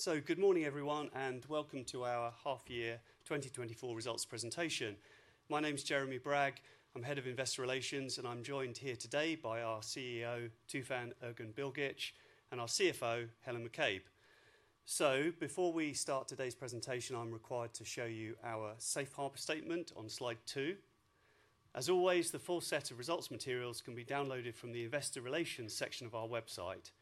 So, good morning, everyone, and welcome to our half-year 2024 results presentation. My name is Jeremy Bragg. I'm head of investor relations, and I'm joined here today by our CEO, Tufan Erginbilgic, and our CFO, Helen McCabe. So, before we start today's presentation, I'm required to show you our Safe Harbor statement on slide two. As always, the full set of results materials can be downloaded from the investor relations section of our website.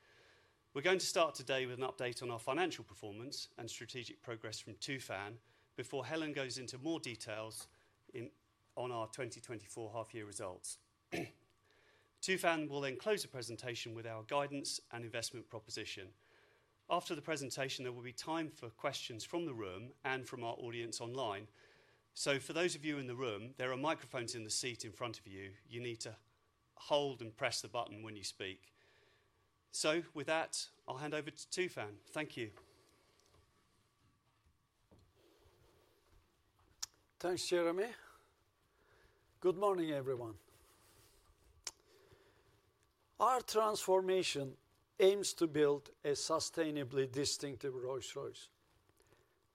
We're going to start today with an update on our financial performance and strategic progress from Tufan before Helen goes into more details on our 2024 half-year results. Tufan will then close the presentation with our guidance and investment proposition. After the presentation, there will be time for questions from the room and from our audience online. So, for those of you in the room, there are microphones in the seat in front of you. You need to hold and press the button when you speak. With that, I'll hand over to Tufan. Thank you. Thanks, Jeremy. Good morning, everyone. Our transformation aims to build a sustainably distinctive Rolls-Royce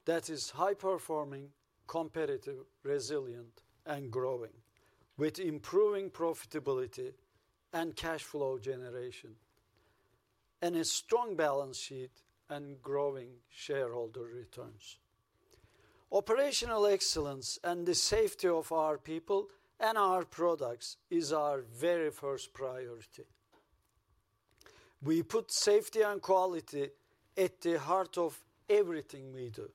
that is high-performing, competitive, resilient, and growing, with improving profitability and cash flow generation, and a strong balance sheet and growing shareholder returns. Operational excellence and the safety of our people and our products is our very first priority. We put safety and quality at the heart of everything we do.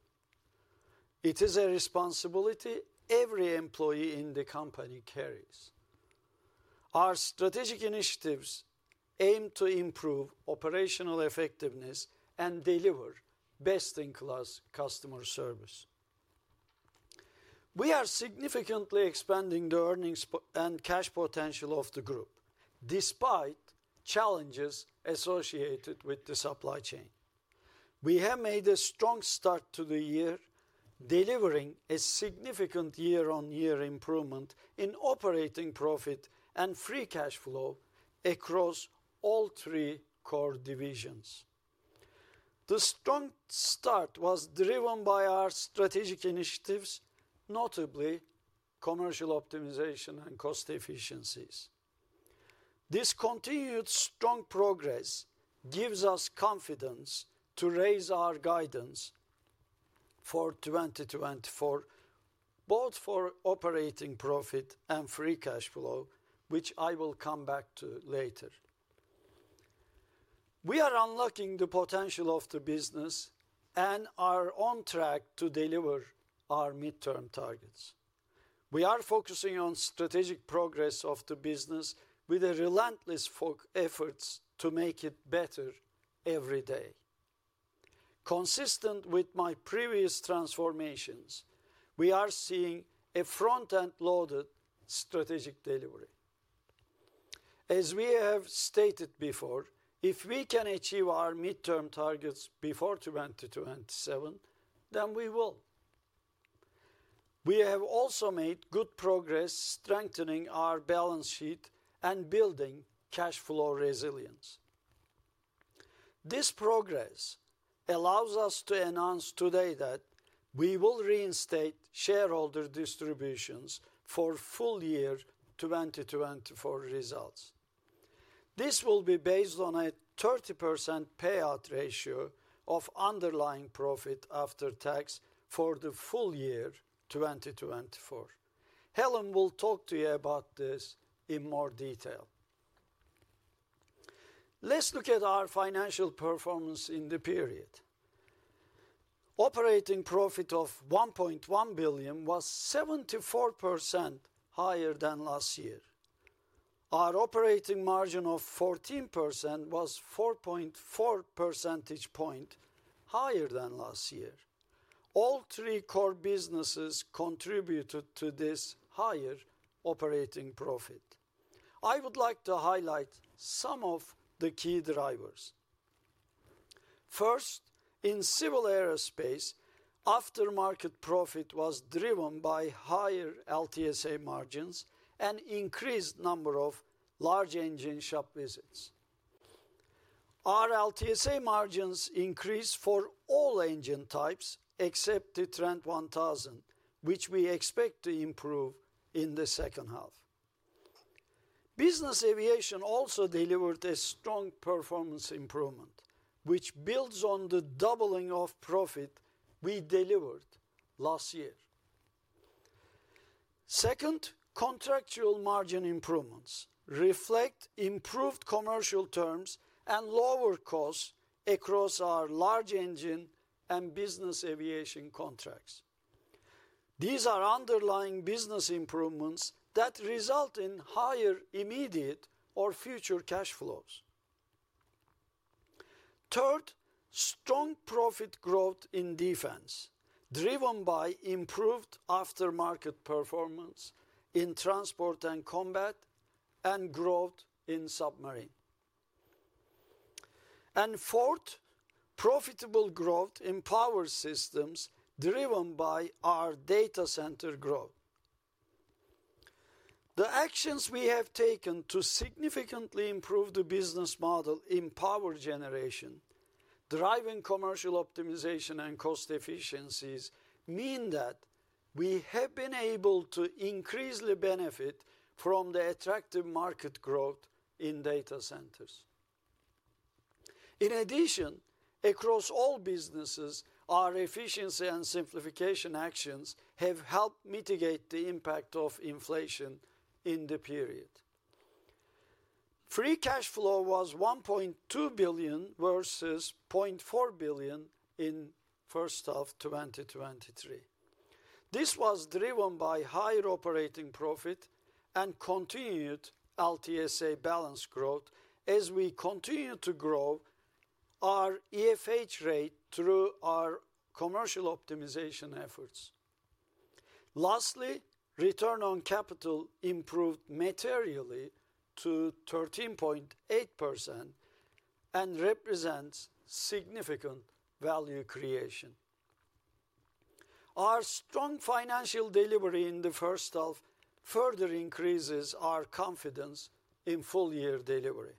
It is a responsibility every employee in the company carries. Our strategic initiatives aim to improve operational effectiveness and deliver best-in-class customer service. We are significantly expanding the earnings and cash potential of the group despite challenges associated with the supply chain. We have made a strong start to the year, delivering a significant year-on-year improvement in operating profit and free cash flow across all three core divisions. The strong start was driven by our strategic initiatives, notably commercial optimization and cost efficiencies. This continued strong progress gives us confidence to raise our guidance for 2024, both for operating profit and free cash flow, which I will come back to later. We are unlocking the potential of the business and are on track to deliver our midterm targets. We are focusing on strategic progress of the business with relentless efforts to make it better every day. Consistent with my previous transformations, we are seeing a front-end-loaded strategic delivery. As we have stated before, if we can achieve our midterm targets before 2027, then we will. We have also made good progress strengthening our balance sheet and building cash flow resilience. This progress allows us to announce today that we will reinstate shareholder distributions for full year 2024 results. This will be based on a 30% payout ratio of underlying profit after tax for the full year 2024. Helen will talk to you about this in more detail. Let's look at our financial performance in the period. Operating profit of 1.1 billion was 74% higher than last year. Our operating margin of 14% was 4.4 percentage points higher than last year. All three core businesses contributed to this higher operating profit. I would like to highlight some of the key drivers. First, in Civil Aerospace, aftermarket profit was driven by higher LTSA margins and increased number of large engine shop visits. Our LTSA margins increased for all engine types except the Trent 1000, which we expect to improve in the second half. Business Aviation also delivered a strong performance improvement, which builds on the doubling of profit we delivered last year. Second, contractual margin improvements reflect improved commercial terms and lower costs across our large engine and Business Aviation contracts. These are underlying business improvements that result in higher immediate or future cash flows. Third, strong profit growth in Defence, driven by improved aftermarket performance in Transport and Combat and growth in Submarine. Fourth, profitable growth in Power Systems, driven by our data center growth. The actions we have taken to significantly improve the business model in Power Generation, driving commercial optimization and cost efficiencies, mean that we have been able to increase the benefit from the attractive market growth in data centers. In addition, across all businesses, our efficiency and simplification actions have helped mitigate the impact of inflation in the period. Free cash flow was 1.2 billion versus 0.4 billion in first half 2023. This was driven by higher operating profit and continued LTSA balance growth as we continue to grow our EFH rate through our commercial optimization efforts. Lastly, Return on capital improved materially to 13.8% and represents significant value creation. Our strong financial delivery in the first half further increases our confidence in full year delivery.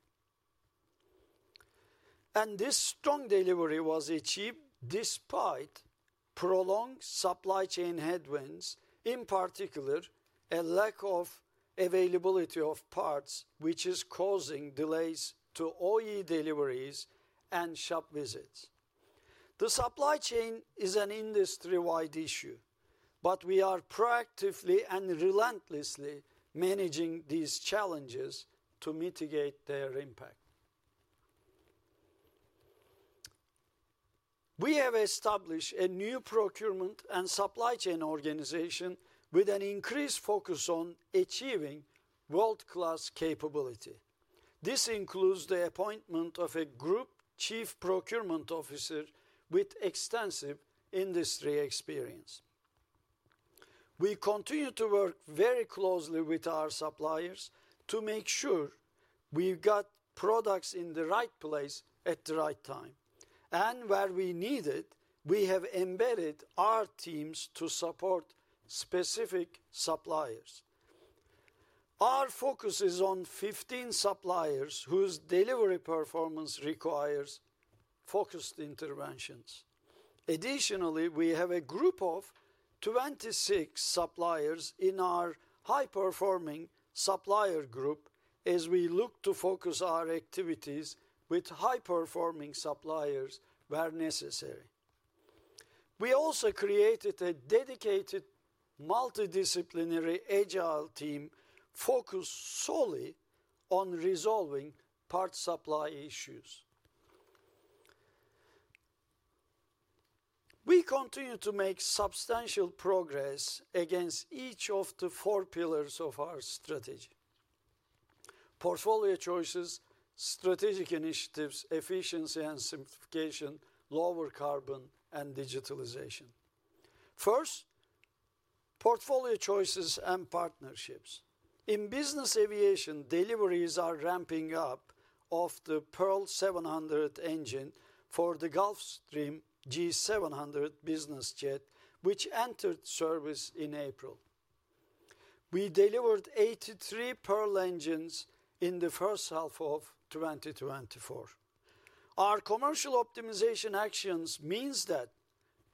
This strong delivery was achieved despite prolonged supply chain headwinds, in particular a lack of availability of parts, which is causing delays to OE deliveries and shop visits. The supply chain is an industry-wide issue, but we are proactively and relentlessly managing these challenges to mitigate their impact. We have established a new procurement and supply chain organization with an increased focus on achieving world-class capability. This includes the appointment of a group chief procurement officer with extensive industry experience. We continue to work very closely with our suppliers to make sure we've got products in the right place at the right time. Where we need it, we have embedded our teams to support specific suppliers. Our focus is on 15 suppliers whose delivery performance requires focused interventions. Additionally, we have a group of 26 suppliers in our high-performing supplier group as we look to focus our activities with high-performing suppliers where necessary. We also created a dedicated multidisciplinary agile team focused solely on resolving parts supply issues. We continue to make substantial progress against each of the four pillars of our strategy: portfolio choices, strategic initiatives, efficiency and simplification, lower carbon, and digitalization. First, portfolio choices and partnerships. In Business Aviation, deliveries are ramping up of the Pearl 700 engine for the Gulfstream G700 business jet, which entered service in April. We delivered 83 Pearl engines in the first half of 2024. Our commercial optimization actions mean that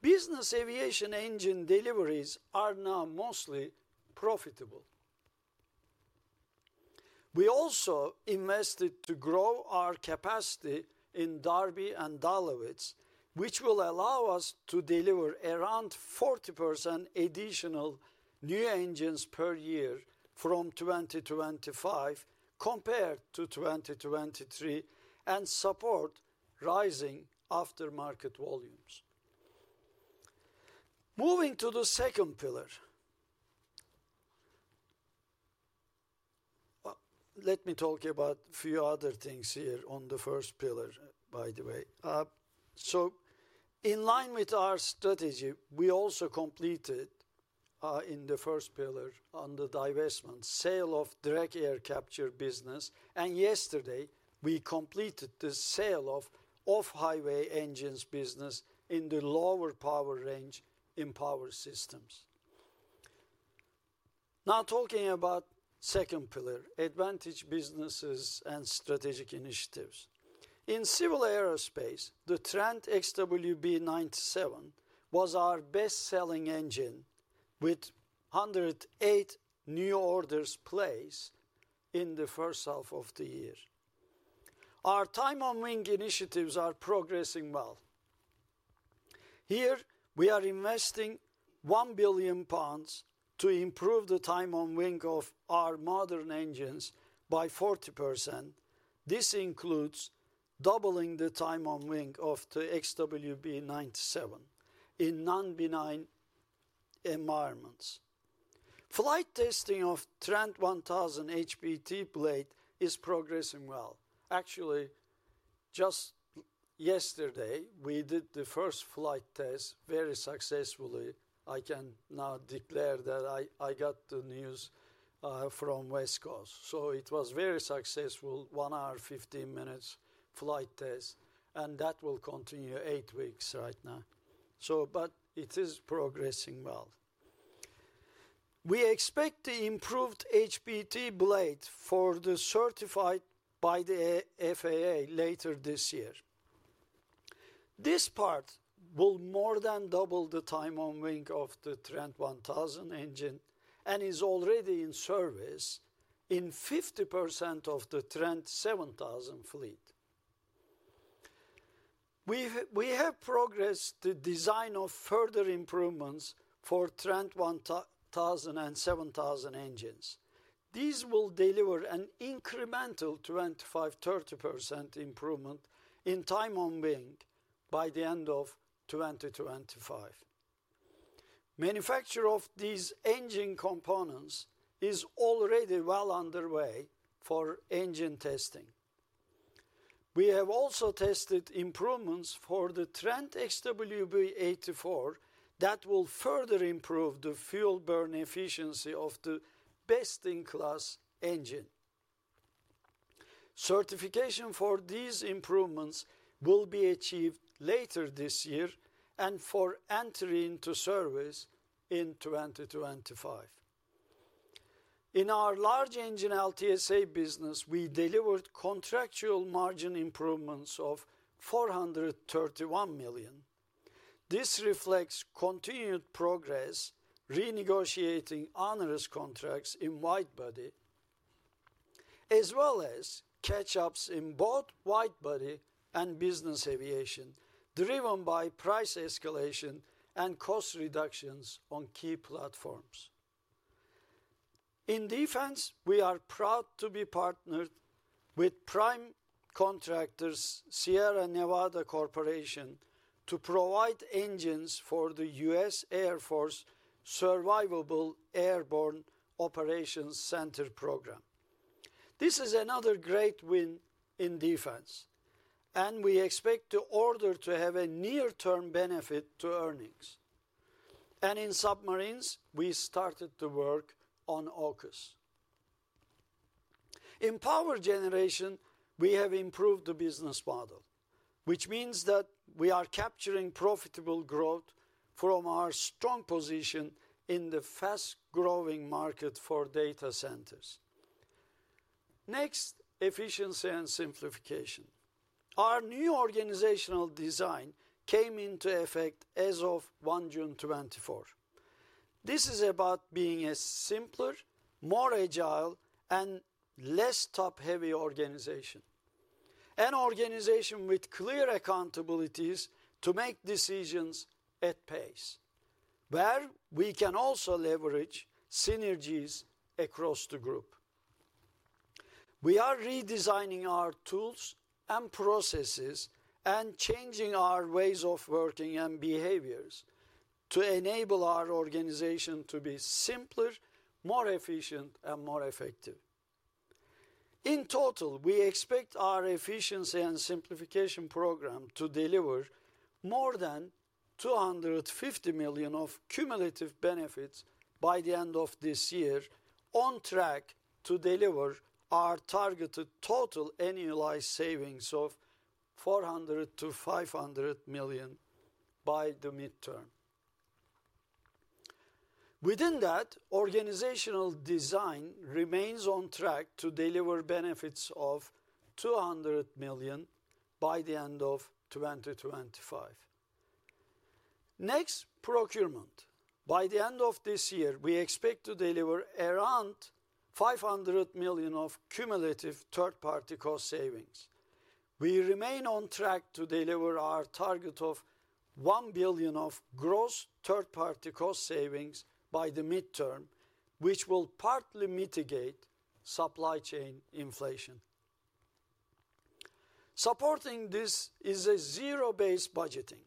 Business Aviation engine deliveries are now mostly profitable. We also invested to grow our capacity in Derby and Dahlewitz, which will allow us to deliver around 40% additional new engines per year from 2025 compared to 2023 and support rising aftermarket volumes. Moving to the second pillar. Let me talk about a few other things here on the first pillar, by the way. So, in line with our strategy, we also completed in the first pillar on the divestment sale of Direct Air Capture business. And yesterday, we completed the sale of Off-Highway engines business in the lower power range in Power Systems. Now talking about the second pillar, advantage businesses and strategic initiatives. In Civil Aerospace, the Trent XWB-97 was our best-selling engine with 108 new orders placed in the first half of the year. Our time-on-wing initiatives are progressing well. Here, we are investing 1 billion pounds to improve the time-on-wing of our modern engines by 40%. This includes doubling the time-on-wing of the XWB-97 in non-benign environments. Flight testing of Trent 1000 HPT blade is progressing well. Actually, just yesterday, we did the first flight test very successfully. I can now declare that I got the news from West Coast. So, it was a very successful one-hour 15-minute flight test, and that will continue eight weeks right now. So, but it is progressing well. We expect the improved HPT blade for the certified by the FAA later this year. This part will more than double the time-on-wing of the Trent 1000 engine and is already in service in 50% of the Trent 7000 fleet. We have progressed the design of further improvements for Trent 1000 and 7000 engines. These will deliver an incremental 25%-30% improvement in time-on-wing by the end of 2025. Manufacture of these engine components is already well underway for engine testing. We have also tested improvements for the Trent XWB-84 that will further improve the fuel burn efficiency of the best-in-class engine. Certification for these improvements will be achieved later this year and for entry into service in 2025. In our large engine LTSA business, we delivered contractual margin improvements of 431 million. This reflects continued progress renegotiating onerous contracts in widebody, as well as catch-ups in both widebody and Business Aviation, driven by price escalation and cost reductions on key platforms. In Defence, we are proud to be partnered with prime contractors Sierra Nevada Corporation to provide engines for the U.S. Air Force Survivable Airborne Operations Center program. This is another great win in Defence, and we expect the order to have a near-term benefit to earnings. And in Submarines, we started the work on AUKUS. In Power Generation, we have improved the business model, which means that we are capturing profitable growth from our strong position in the fast-growing market for data centers. Next, efficiency and simplification. Our new organizational design came into effect as of 1 June 2024. This is about being a simpler, more agile, and less top-heavy organization. An organization with clear accountabilities to make decisions at pace, where we can also leverage synergies across the group. We are redesigning our tools and processes and changing our ways of working and behaviors to enable our organization to be simpler, more efficient, and more effective. In total, we expect our efficiency and simplification program to deliver more than 250 million of cumulative benefits by the end of this year, on track to deliver our targeted total annualized savings of 400 million-500 million by the midterm. Within that, organizational design remains on track to deliver benefits of 200 million by the end of 2025. Next, procurement. By the end of this year, we expect to deliver around 500 million of cumulative third-party cost savings. We remain on track to deliver our target of 1 billion of gross third-party cost savings by the midterm, which will partly mitigate supply chain inflation. Supporting this is a zero-based budgeting.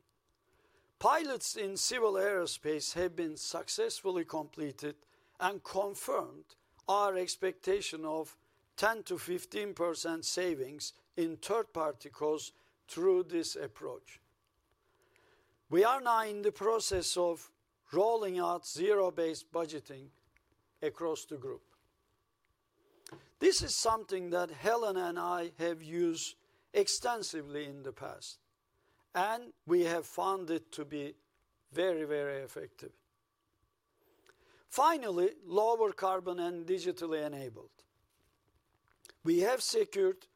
Pilots in Civil Aerospace have been successfully completed and confirmed our expectation of 10%-15% savings in third-party costs through this approach. We are now in the process of rolling out zero-based budgeting across the group. This is something that Helen and I have used extensively in the past, and we have found it to be very, very effective. Finally, lower carbon and digitally enabled. We have secured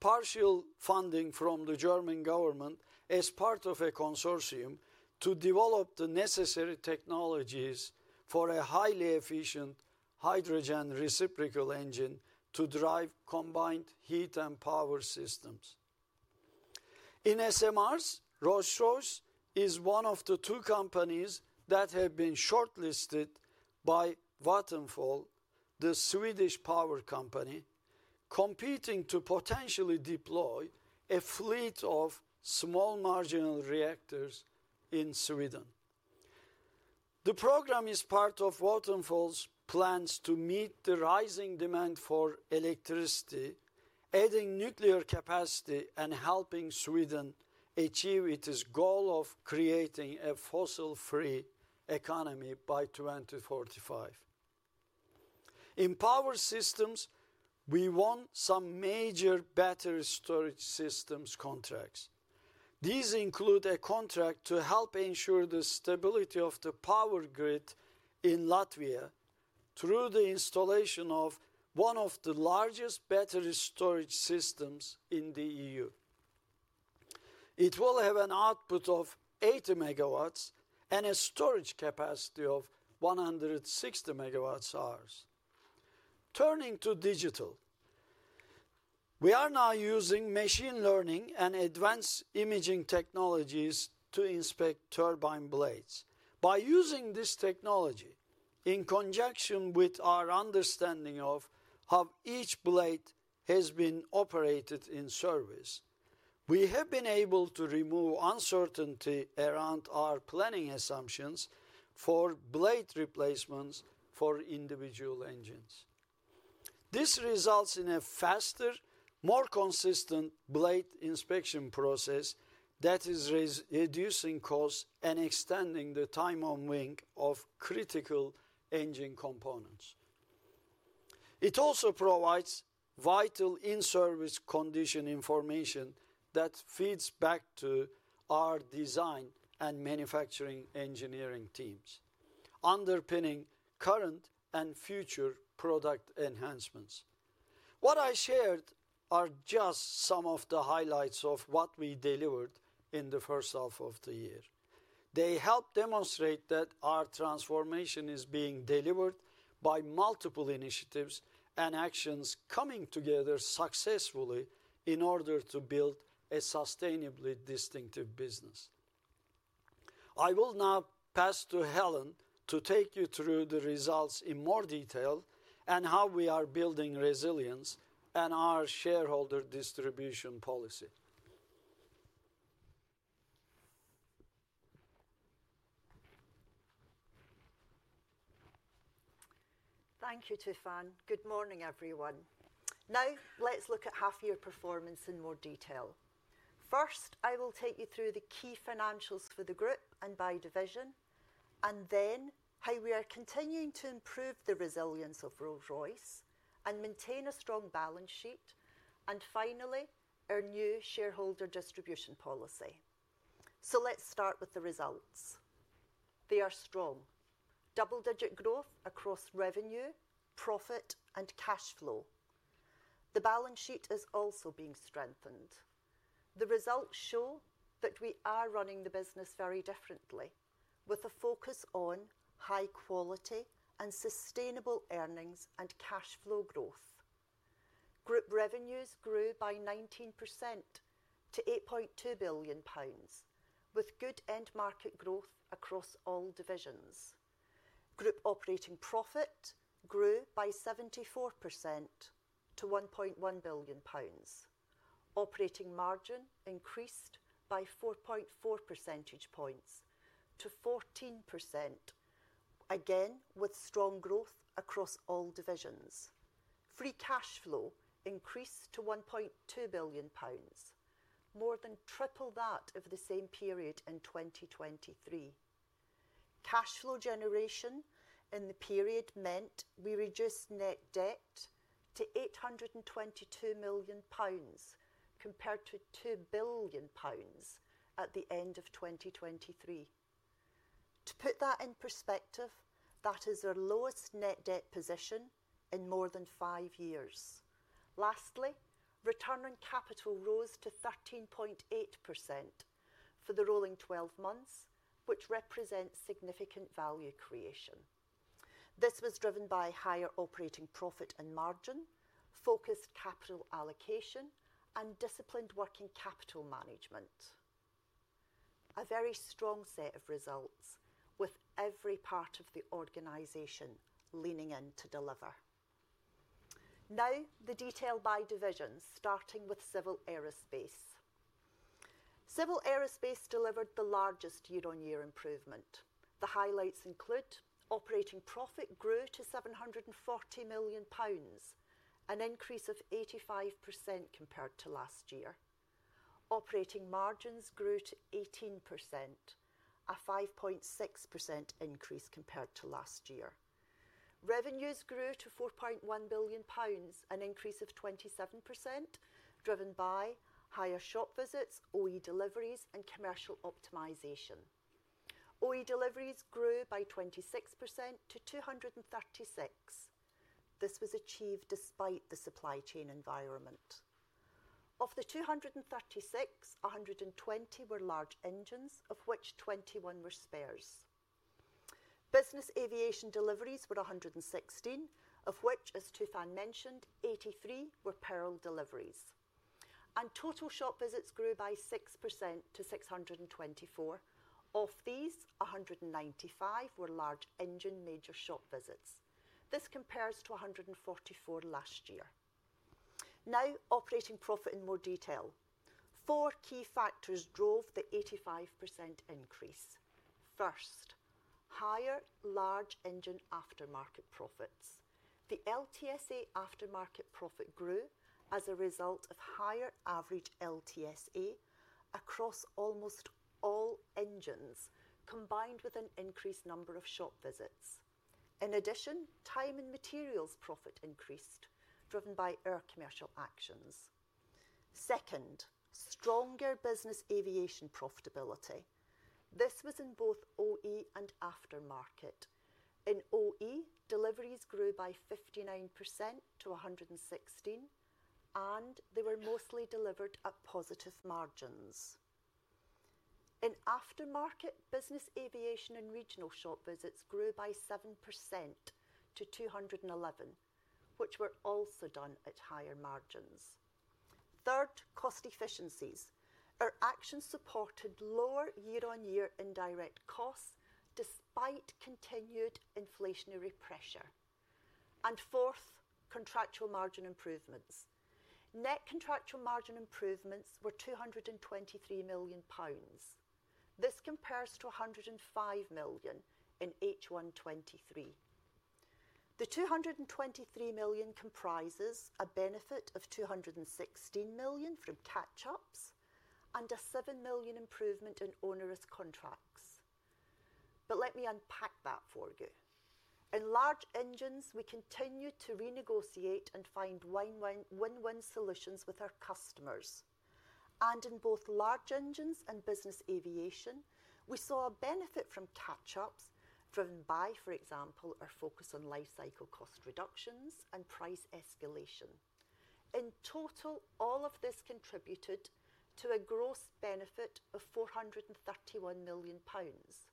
partial funding from the German government as part of a consortium to develop the necessary technologies for a highly efficient hydrogen reciprocating engine to drive combined heat and Power Systems. In SMRs, Rolls-Royce is one of the two companies that have been shortlisted by Vattenfall, the Swedish power company, competing to potentially deploy a fleet of small modular reactors in Sweden. The program is part of Vattenfall's plans to meet the rising demand for electricity, adding nuclear capacity and helping Sweden achieve its goal of creating a fossil-free economy by 2045. In Power Systems, we won some major battery storage systems contracts. These include a contract to help ensure the stability of the power grid in Latvia through the installation of one of the largest battery storage systems in the E.U. It will have an output of 80 MW and a storage capacity of 160 MWh. Turning to digital, we are now using machine learning and advanced imaging technologies to inspect turbine blades. By using this technology in conjunction with our understanding of how each blade has been operated in service, we have been able to remove uncertainty around our planning assumptions for blade replacements for individual engines. This results in a faster, more consistent blade inspection process that is reducing costs and extending the time-on-wing of critical engine components. It also provides vital in-service condition information that feeds back to our design and manufacturing engineering teams, underpinning current and future product enhancements. What I shared are just some of the highlights of what we delivered in the first half of the year. They help demonstrate that our transformation is being delivered by multiple initiatives and actions coming together successfully in order to build a sustainably distinctive business. I will now pass to Helen to take you through the results in more detail and how we are building resilience and our shareholder distribution policy. Thank you, Tufan. Good morning, everyone. Now, let's look at half-year performance in more detail. First, I will take you through the key financials for the group and by division, and then how we are continuing to improve the resilience of Rolls-Royce and maintain a strong balance sheet, and finally, our new shareholder distribution policy. So, let's start with the results. They are strong. Double-digit growth across revenue, profit, and cash flow. The balance sheet is also being strengthened. The results show that we are running the business very differently, with a focus on high quality and sustainable earnings and cash flow growth. Group revenues grew by 19% to 8.2 billion pounds, with good end-market growth across all divisions. Group operating profit grew by 74% to 1.1 billion pounds. Operating margin increased by 4.4 percentage points to 14%, again with strong growth across all divisions. Free cash flow increased to 1.2 billion pounds, more than triple that of the same period in 2023. Cash flow generation in the period meant we reduced net debt to 822 million pounds compared to 2 billion pounds at the end of 2023. To put that in perspective, that is our lowest net debt position in more than five years. Lastly, return on capital rose to 13.8% for the rolling 12 months, which represents significant value creation. This was driven by higher operating profit and margin, focused capital allocation, and disciplined working capital management. A very strong set of results, with every part of the organization leaning in to deliver. Now, the detail by divisions, starting with Civil Aerospace. Civil Aerospace delivered the largest year-on-year improvement. The highlights include operating profit grew to 740 million pounds, an increase of 85% compared to last year. Operating margins grew to 18%, a 5.6% increase compared to last year. Revenues grew to 4.1 billion pounds, an increase of 27%, driven by higher shop visits, OE deliveries, and commercial optimization. OE deliveries grew by 26% to 236. This was achieved despite the supply chain environment. Of the 236, 120 were large engines, of which 21 were spares. Business Aviation deliveries were 116, of which, as Tufan mentioned, 83 were Pearl deliveries. Total shop visits grew by 6% to 624. Of these, 195 were large engine major shop visits. This compares to 144 last year. Now, operating profit in more detail. Four key factors drove the 85% increase. First, higher large engine aftermarket profits. The LTSA aftermarket profit grew as a result of higher average LTSA across almost all engines, combined with an increased number of shop visits. In addition, time and materials profit increased, driven by our commercial actions. Second, stronger Business Aviation profitability. This was in both OE and aftermarket. In OE, deliveries grew by 59% to 116, and they were mostly delivered at positive margins. In aftermarket, Business Aviation and regional shop visits grew by 7% to 211, which were also done at higher margins. Third, cost efficiencies. Our actions supported lower year-on-year indirect costs despite continued inflationary pressure. And fourth, contractual margin improvements. Net contractual margin improvements were 223 million pounds. This compares to 105 million in H1 2023. The 223 million comprises a benefit of 216 million from catch-ups and a 7 million improvement in onerous contracts. But let me unpack that for you. In large engines, we continue to renegotiate and find win-win solutions with our customers. In both large engines and Business Aviation, we saw a benefit from catch-ups driven by, for example, our focus on lifecycle cost reductions and price escalation. In total, all of this contributed to a gross benefit of 431 million pounds.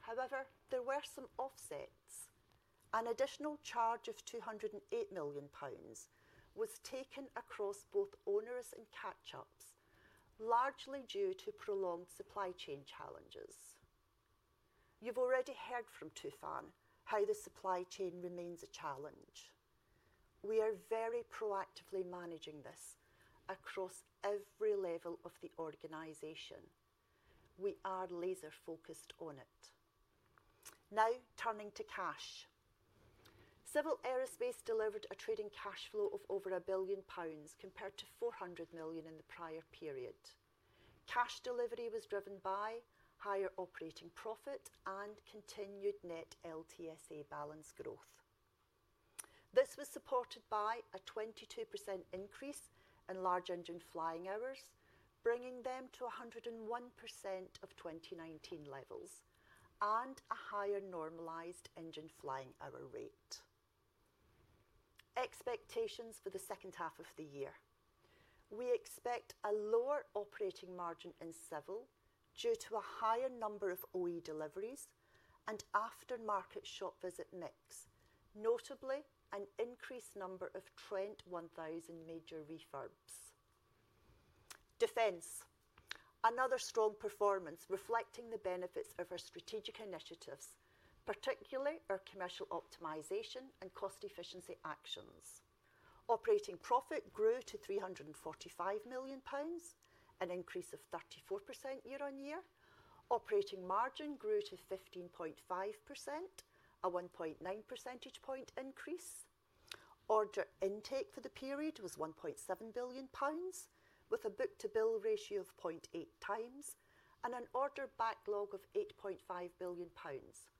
However, there were some offsets. An additional charge of 208 million pounds was taken across both onerous and catch-ups, largely due to prolonged supply chain challenges. You've already heard from Tufan how the supply chain remains a challenge. We are very proactively managing this across every level of the organization. We are laser-focused on it. Now, turning to cash. Civil Aerospace delivered a trading cash flow of over 1 billion pounds compared to 400 million in the prior period. Cash delivery was driven by higher operating profit and continued net LTSA balance growth. This was supported by a 22% increase in large engine flying hours, bringing them to 101% of 2019 levels and a higher normalized engine flying hour rate. Expectations for the second half of the year. We expect a lower operating margin in Civil due to a higher number of OE deliveries and aftermarket shop visit mix, notably an increased number of Trent 1000 major refurbs. Defence. Another strong performance reflecting the benefits of our strategic initiatives, particularly our commercial optimization and cost efficiency actions. Operating profit grew to 345 million pounds, an increase of 34% year-on-year. Operating margin grew to 15.5%, a 1.9 percentage point increase. Order intake for the period was 1.7 billion pounds, with a book-to-bill ratio of 0.8x and an order backlog of 8.5 billion pounds.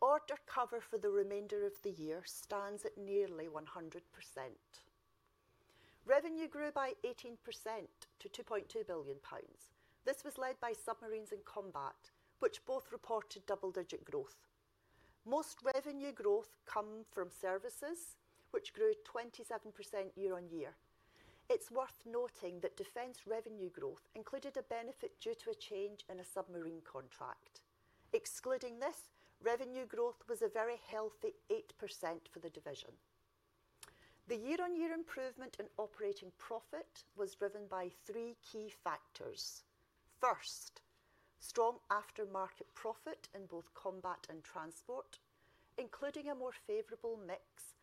Order cover for the remainder of the year stands at nearly 100%. Revenue grew by 18% to 2.2 billion pounds. This was led by Submarines in Combat, which both reported double-digit growth. Most revenue growth comes from services, which grew 27% year-on-year. It's worth noting that Defence revenue growth included a benefit due to a change in a Submarine contract. Excluding this, revenue growth was a very healthy 8% for the division. The year-on-year improvement in operating profit was driven by three key factors. First, strong aftermarket profit in both Combat and Transport, including a more favorable mix,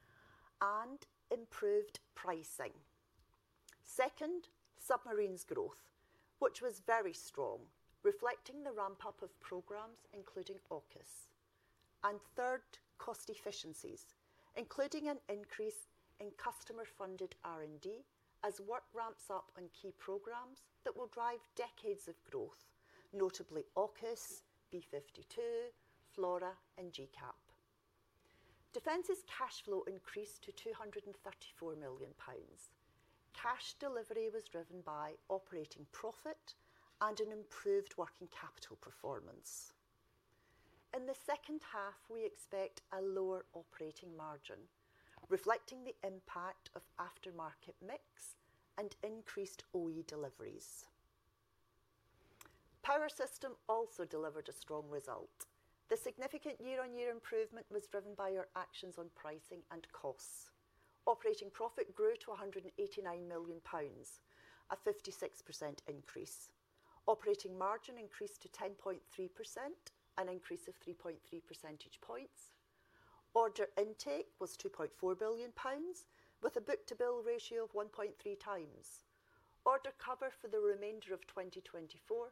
and improved pricing. Second, Submarine's growth, which was very strong, reflecting the ramp-up of programs, including AUKUS. And third, cost efficiencies, including an increase in customer-funded R&D as work ramps up on key programs that will drive decades of growth, notably AUKUS, B-52, FLRAA, and GCAP. Defence's cash flow increased to 234 million pounds. Cash delivery was driven by operating profit and an improved working capital performance. In the second half, we expect a lower operating margin, reflecting the impact of aftermarket mix and increased OE deliveries. Power Systems also delivered a strong result. The significant year-on-year improvement was driven by our actions on pricing and costs. Operating profit grew to 189 million pounds, a 56% increase. Operating margin increased to 10.3%, an increase of 3.3 percentage points. Order intake was 2.4 billion pounds, with a book-to-bill ratio of 1.3x. Order cover for the remainder of 2024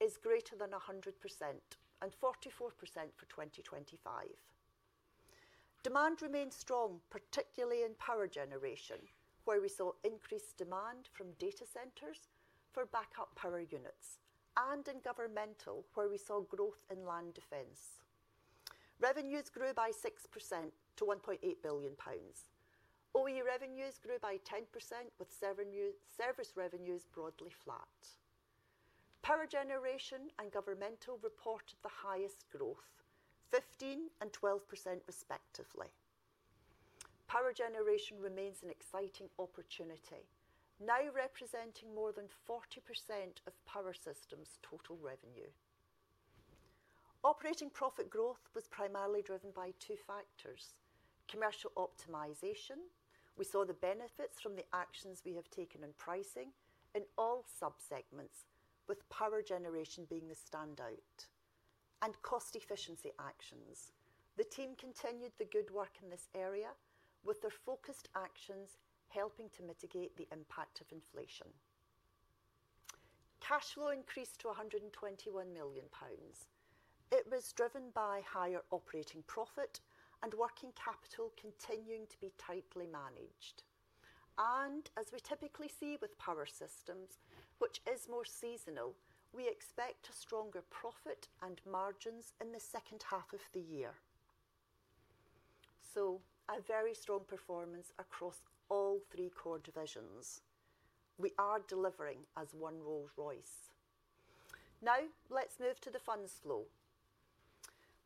is greater than 100% and 44% for 2025. Demand remained strong, particularly in Power Generation, where we saw increased demand from data centers for backup power units, and in Governmental, where we saw growth in land defence. Revenues grew by 6% to 1.8 billion pounds. OE revenues grew by 10%, with service revenues broadly flat. Power Generation and Governmental reported the highest growth, 15% and 12% respectively. Power Generation remains an exciting opportunity, now representing more than 40% of Power Systems' total revenue. Operating profit growth was primarily driven by two factors: commercial optimization. We saw the benefits from the actions we have taken in pricing in all subsegments, with Power Generation being the standout. And cost efficiency actions. The team continued the good work in this area, with their focused actions helping to mitigate the impact of inflation. Cash flow increased to 121 million pounds. It was driven by higher operating profit and working capital continuing to be tightly managed. And as we typically see with Power Systems, which is more seasonal, we expect a stronger profit and margins in the second half of the year. So, a very strong performance across all three core divisions. We are delivering as one Rolls-Royce. Now, let's move to the funds flow.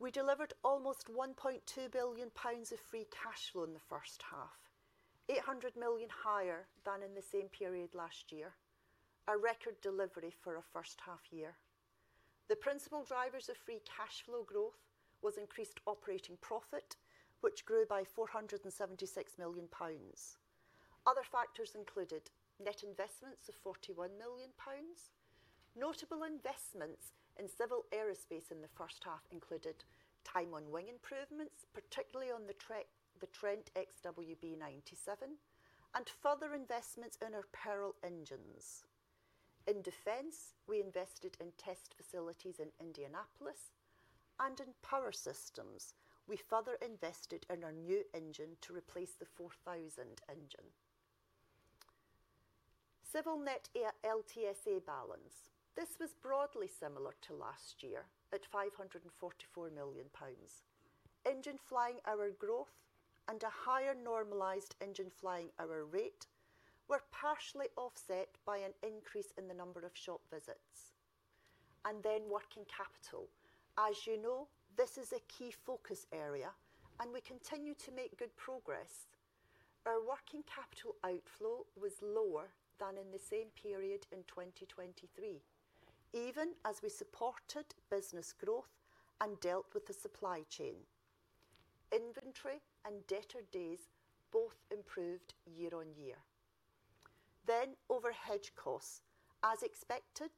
We delivered almost 1.2 billion pounds of free cash flow in the first half, 800 million higher than in the same period last year, a record delivery for a first half year. The principal drivers of free cash flow growth were increased operating profit, which grew by 476 million pounds. Other factors included net investments of 41 million pounds. Notable investments in Civil Aerospace in the first half included time on wing improvements, particularly on the Trent XWB-97, and further investments in our Pearl engines. In Defence, we invested in test facilities in Indianapolis, and in Power Systems, we further invested in our new engine to replace the 4000 engine. Civil net LTSA balance. This was broadly similar to last year at 544 million pounds. Engine flying hour growth and a higher normalized engine flying hour rate were partially offset by an increase in the number of shop visits. And then working capital. As you know, this is a key focus area, and we continue to make good progress. Our working capital outflow was lower than in the same period in 2023, even as we supported business growth and dealt with the supply chain. Inventory and debtor days both improved year-on-year. Then overhead costs, as expected,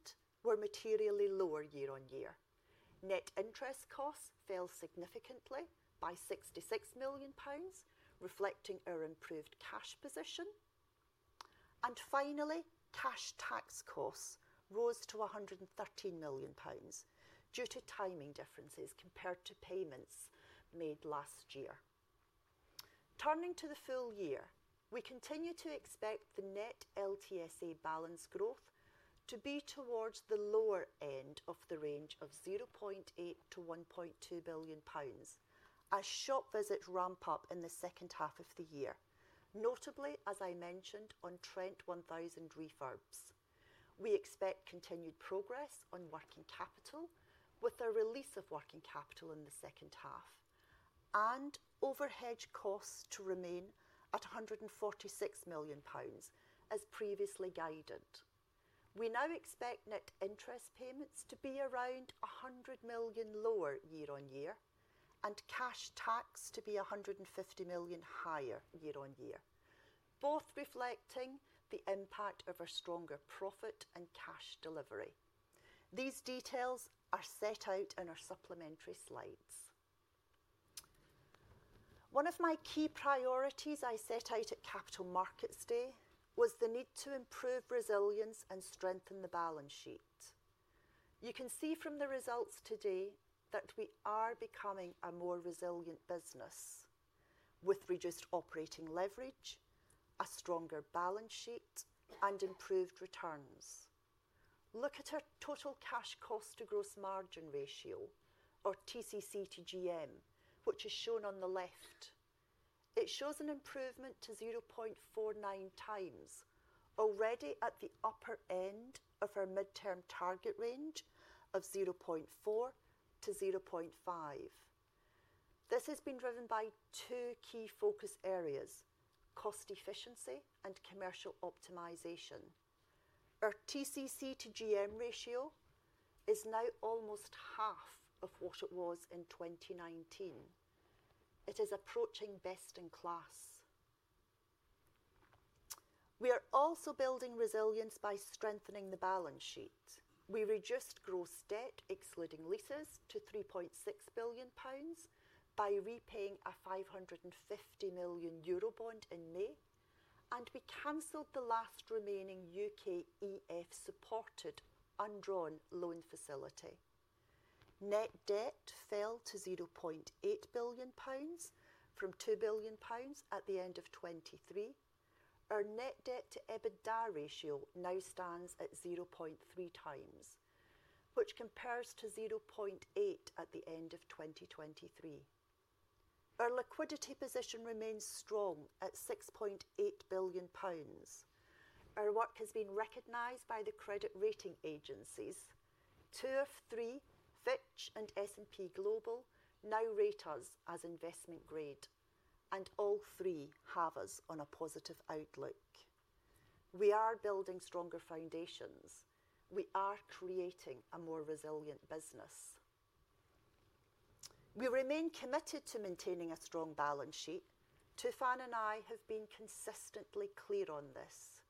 were materially lower year-on-year. Net interest costs fell significantly by 66 million pounds, reflecting our improved cash position. And finally, cash tax costs rose to 113 million pounds due to timing differences compared to payments made last year. Turning to the full year, we continue to expect the net LTSA balance growth to be towards the lower end of the range of 0.8 billion-1.2 billion pounds as shop visits ramp up in the second half of the year, notably, as I mentioned, on Trent 1000 refurbs. We expect continued progress on working capital with the release of working capital in the second half and overhead costs to remain at 146 million pounds as previously guided. We now expect net interest payments to be around 100 million lower year-on-year and cash tax to be 150 million higher year-on-year, both reflecting the impact of our stronger profit and cash delivery. These details are set out in our supplementary slides. One of my key priorities I set out at Capital Markets Day was the need to improve resilience and strengthen the balance sheet. You can see from the results today that we are becoming a more resilient business with reduced operating leverage, a stronger balance sheet, and improved returns. Look at our total cash cost to gross margin ratio, or TCC to GM, which is shown on the left. It shows an improvement to 0.49x, already at the upper end of our midterm target range of 0.4x to 0.5x. This has been driven by two key focus areas: cost efficiency and commercial optimization. Our TCC to GM ratio is now almost half of what it was in 2019. It is approaching best in class. We are also building resilience by strengthening the balance sheet. We reduced gross debt, excluding leases, to 3.6 billion pounds by repaying a 550 million euro bond in May, and we canceled the last remaining UKEF-supported undrawn loan facility. Net debt fell to 0.8 billion pounds from 2 billion pounds at the end of 2023. Our net debt to EBITDA ratio now stands at 0.3x, which compares to 0.8x at the end of 2023. Our liquidity position remains strong at 6.8 billion pounds. Our work has been recognized by the credit rating agencies. Two of three, Fitch and S&P Global, now rate us as investment grade, and all three have us on a positive outlook. We are building stronger foundations. We are creating a more resilient business. We remain committed to maintaining a strong balance sheet. Tufan and I have been consistently clear on this.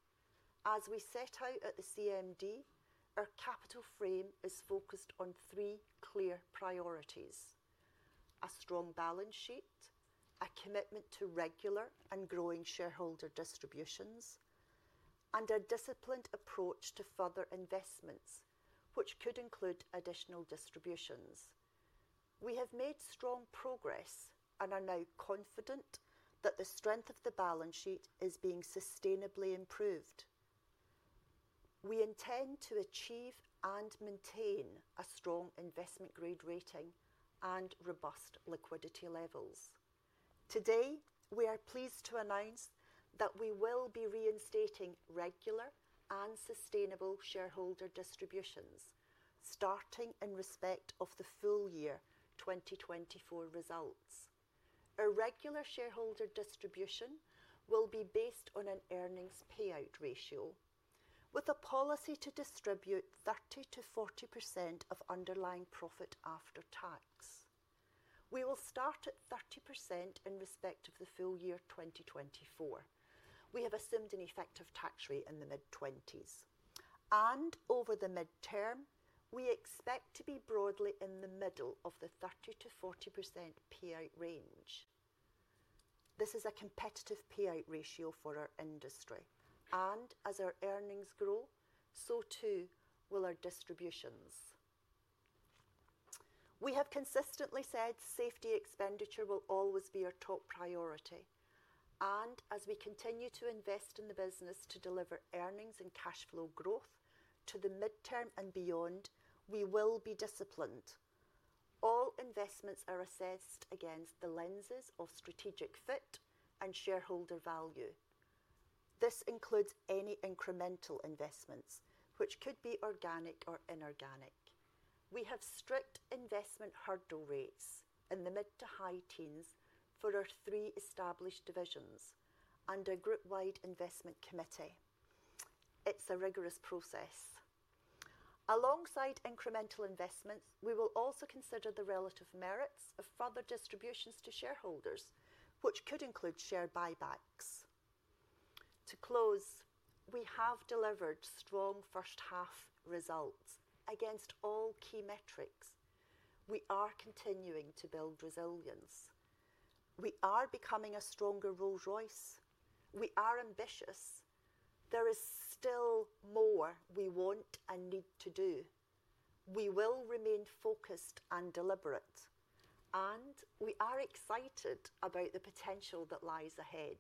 As we set out at the CMD, our capital frame is focused on three clear priorities: a strong balance sheet, a commitment to regular and growing shareholder distributions, and a disciplined approach to further investments, which could include additional distributions. We have made strong progress and are now confident that the strength of the balance sheet is being sustainably improved. We intend to achieve and maintain a strong investment grade rating and robust liquidity levels. Today, we are pleased to announce that we will be reinstating regular and sustainable shareholder distributions starting in respect of the full year 2024 results. Our regular shareholder distribution will be based on an earnings payout ratio, with a policy to distribute 30%-40% of underlying profit after tax. We will start at 30% in respect of the full year 2024. We have assumed an effective tax rate in the mid-20s. Over the midterm, we expect to be broadly in the middle of the 30%-40% payout range. This is a competitive payout ratio for our industry, and as our earnings grow, so too will our distributions. We have consistently said safety expenditure will always be our top priority. As we continue to invest in the business to deliver earnings and cash flow growth to the midterm and beyond, we will be disciplined. All investments are assessed against the lenses of strategic fit and shareholder value. This includes any incremental investments, which could be organic or inorganic. We have strict investment hurdle rates in the mid to high teens for our three established divisions and a group-wide investment committee. It's a rigorous process. Alongside incremental investments, we will also consider the relative merits of further distributions to shareholders, which could include share buybacks. To close, we have delivered strong first half results against all key metrics. We are continuing to build resilience. We are becoming a stronger Rolls-Royce. We are ambitious. There is still more we want and need to do. We will remain focused and deliberate, and we are excited about the potential that lies ahead.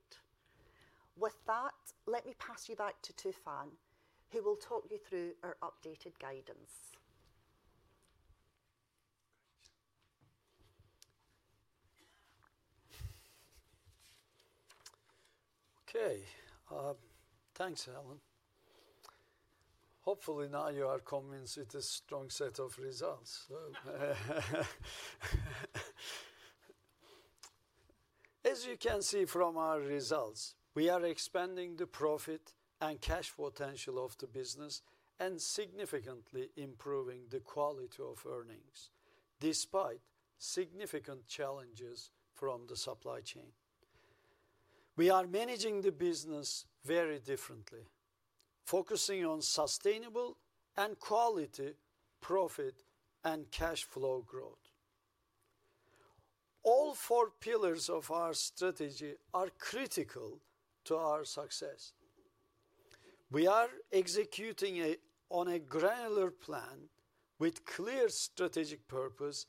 With that, let me pass you back to Tufan, who will talk you through our updated guidance. Okay. Thanks, Helen. Hopefully, now you are convinced it is a strong set of results. As you can see from our results, we are expanding the profit and cash potential of the business and significantly improving the quality of earnings despite significant challenges from the supply chain. We are managing the business very differently, focusing on sustainable and quality profit and cash flow growth. All four pillars of our strategy are critical to our success. We are executing on a granular plan with clear strategic purpose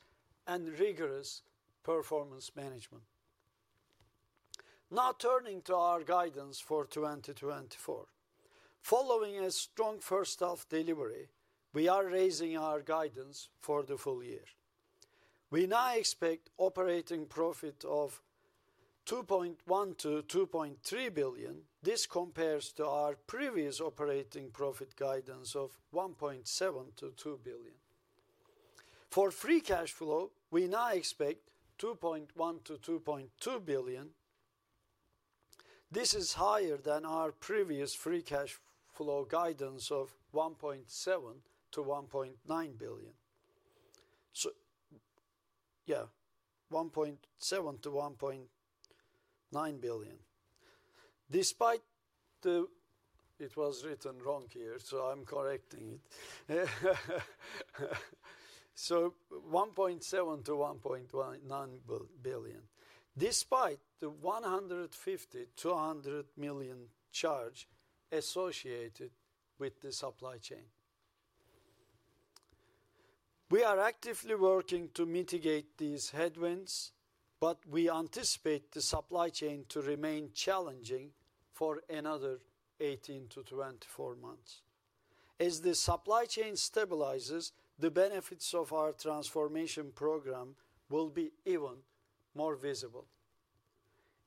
and rigorous performance management. Now turning to our guidance for 2024. Following a strong first half delivery, we are raising our guidance for the full year. We now expect operating profit of 2.1 billion-2.3 billion. This compares to our previous operating profit guidance of 1.7 billion-2 billion. For free cash flow, we now expect 2.1 billion-2.2 billion. This is higher than our previous free cash flow guidance of 1.7 billion-1.9 billion. So, yeah, 1.7 billion-1.9 billion. Despite the—it was written wrong here, so I'm correcting it. So, 1.7 billion-1.9 billion, despite the 150 million-200 million charge associated with the supply chain. We are actively working to mitigate these headwinds, but we anticipate the supply chain to remain challenging for another 18-24 months. As the supply chain stabilizes, the benefits of our transformation program will be even more visible.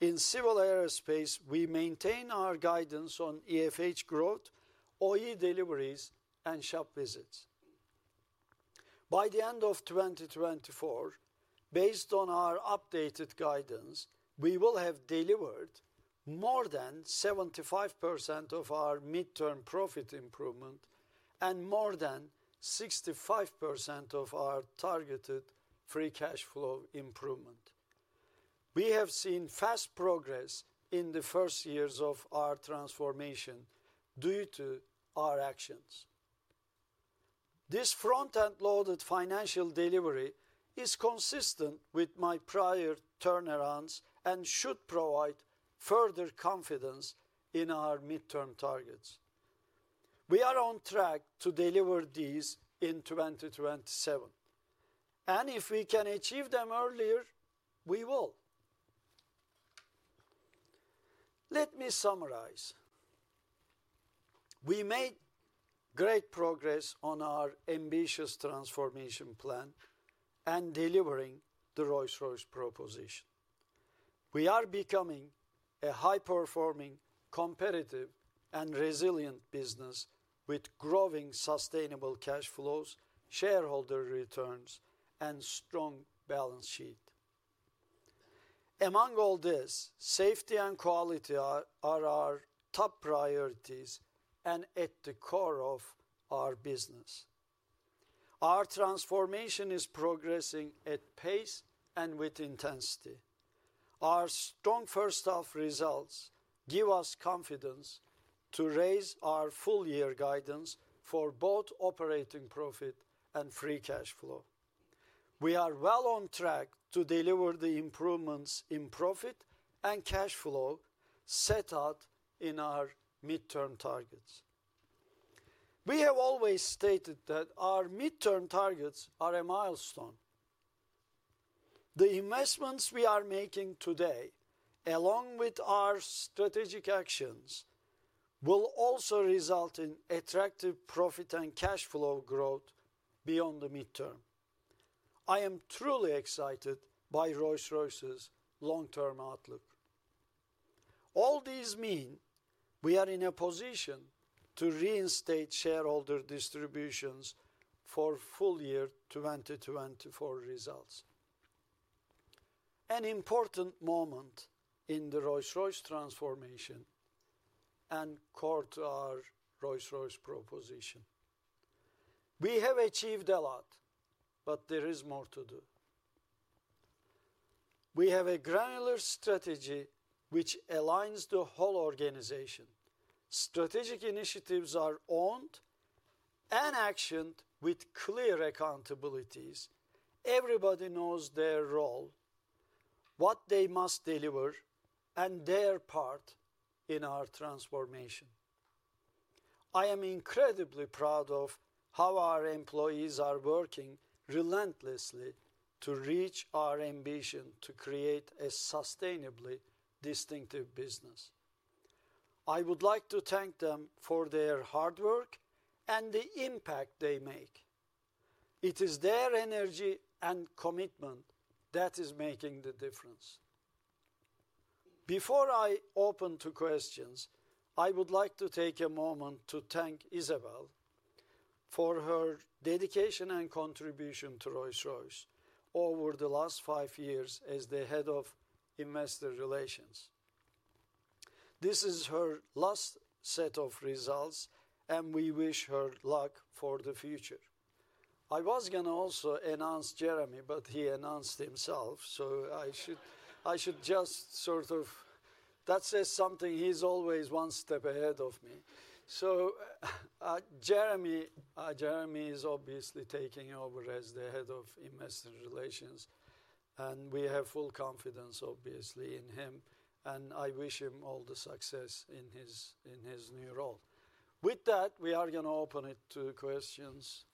In Civil Aerospace, we maintain our guidance on EFH growth, OE deliveries, and shop visits. By the end of 2024, based on our updated guidance, we will have delivered more than 75% of our midterm profit improvement and more than 65% of our targeted free cash flow improvement. We have seen fast progress in the first years of our transformation due to our actions. This front-end loaded financial delivery is consistent with my prior turnarounds and should provide further confidence in our midterm targets. We are on track to deliver these in 2027, and if we can achieve them earlier, we will. Let me summarize. We made great progress on our ambitious transformation plan and delivering the Rolls-Royce proposition. We are becoming a high-performing, competitive, and resilient business with growing sustainable cash flows, shareholder returns, and strong balance sheet. Among all this, safety and quality are our top priorities and at the core of our business. Our transformation is progressing at pace and with intensity. Our strong first half results give us confidence to raise our full year guidance for both operating profit and free cash flow. We are well on track to deliver the improvements in profit and cash flow set out in our midterm targets. We have always stated that our midterm targets are a milestone. The investments we are making today, along with our strategic actions, will also result in attractive profit and cash flow growth beyond the midterm. I am truly excited by Rolls-Royce's long-term outlook. All these mean we are in a position to reinstate shareholder distributions for full year 2024 results. An important moment in the Rolls-Royce transformation and core to our Rolls-Royce proposition. We have achieved a lot, but there is more to do. We have a granular strategy which aligns the whole organization. Strategic initiatives are owned and actioned with clear accountabilities. Everybody knows their role, what they must deliver, and their part in our transformation. I am incredibly proud of how our employees are working relentlessly to reach our ambition to create a sustainably distinctive business. I would like to thank them for their hard work and the impact they make. It is their energy and commitment that is making the difference. Before I open to questions, I would like to take a moment to thank Isabel for her dedication and contribution to Rolls-Royce over the last five years as the head of investor relations. This is her last set of results, and we wish her luck for the future. I was going to also announce Jeremy, but he announced himself, so I should just sort of, that says something. He's always one step ahead of me. So Jeremy is obviously taking over as the head of investor relations, and we have full confidence, obviously, in him, and I wish him all the success in his new role. With that, we are going to open it to questions.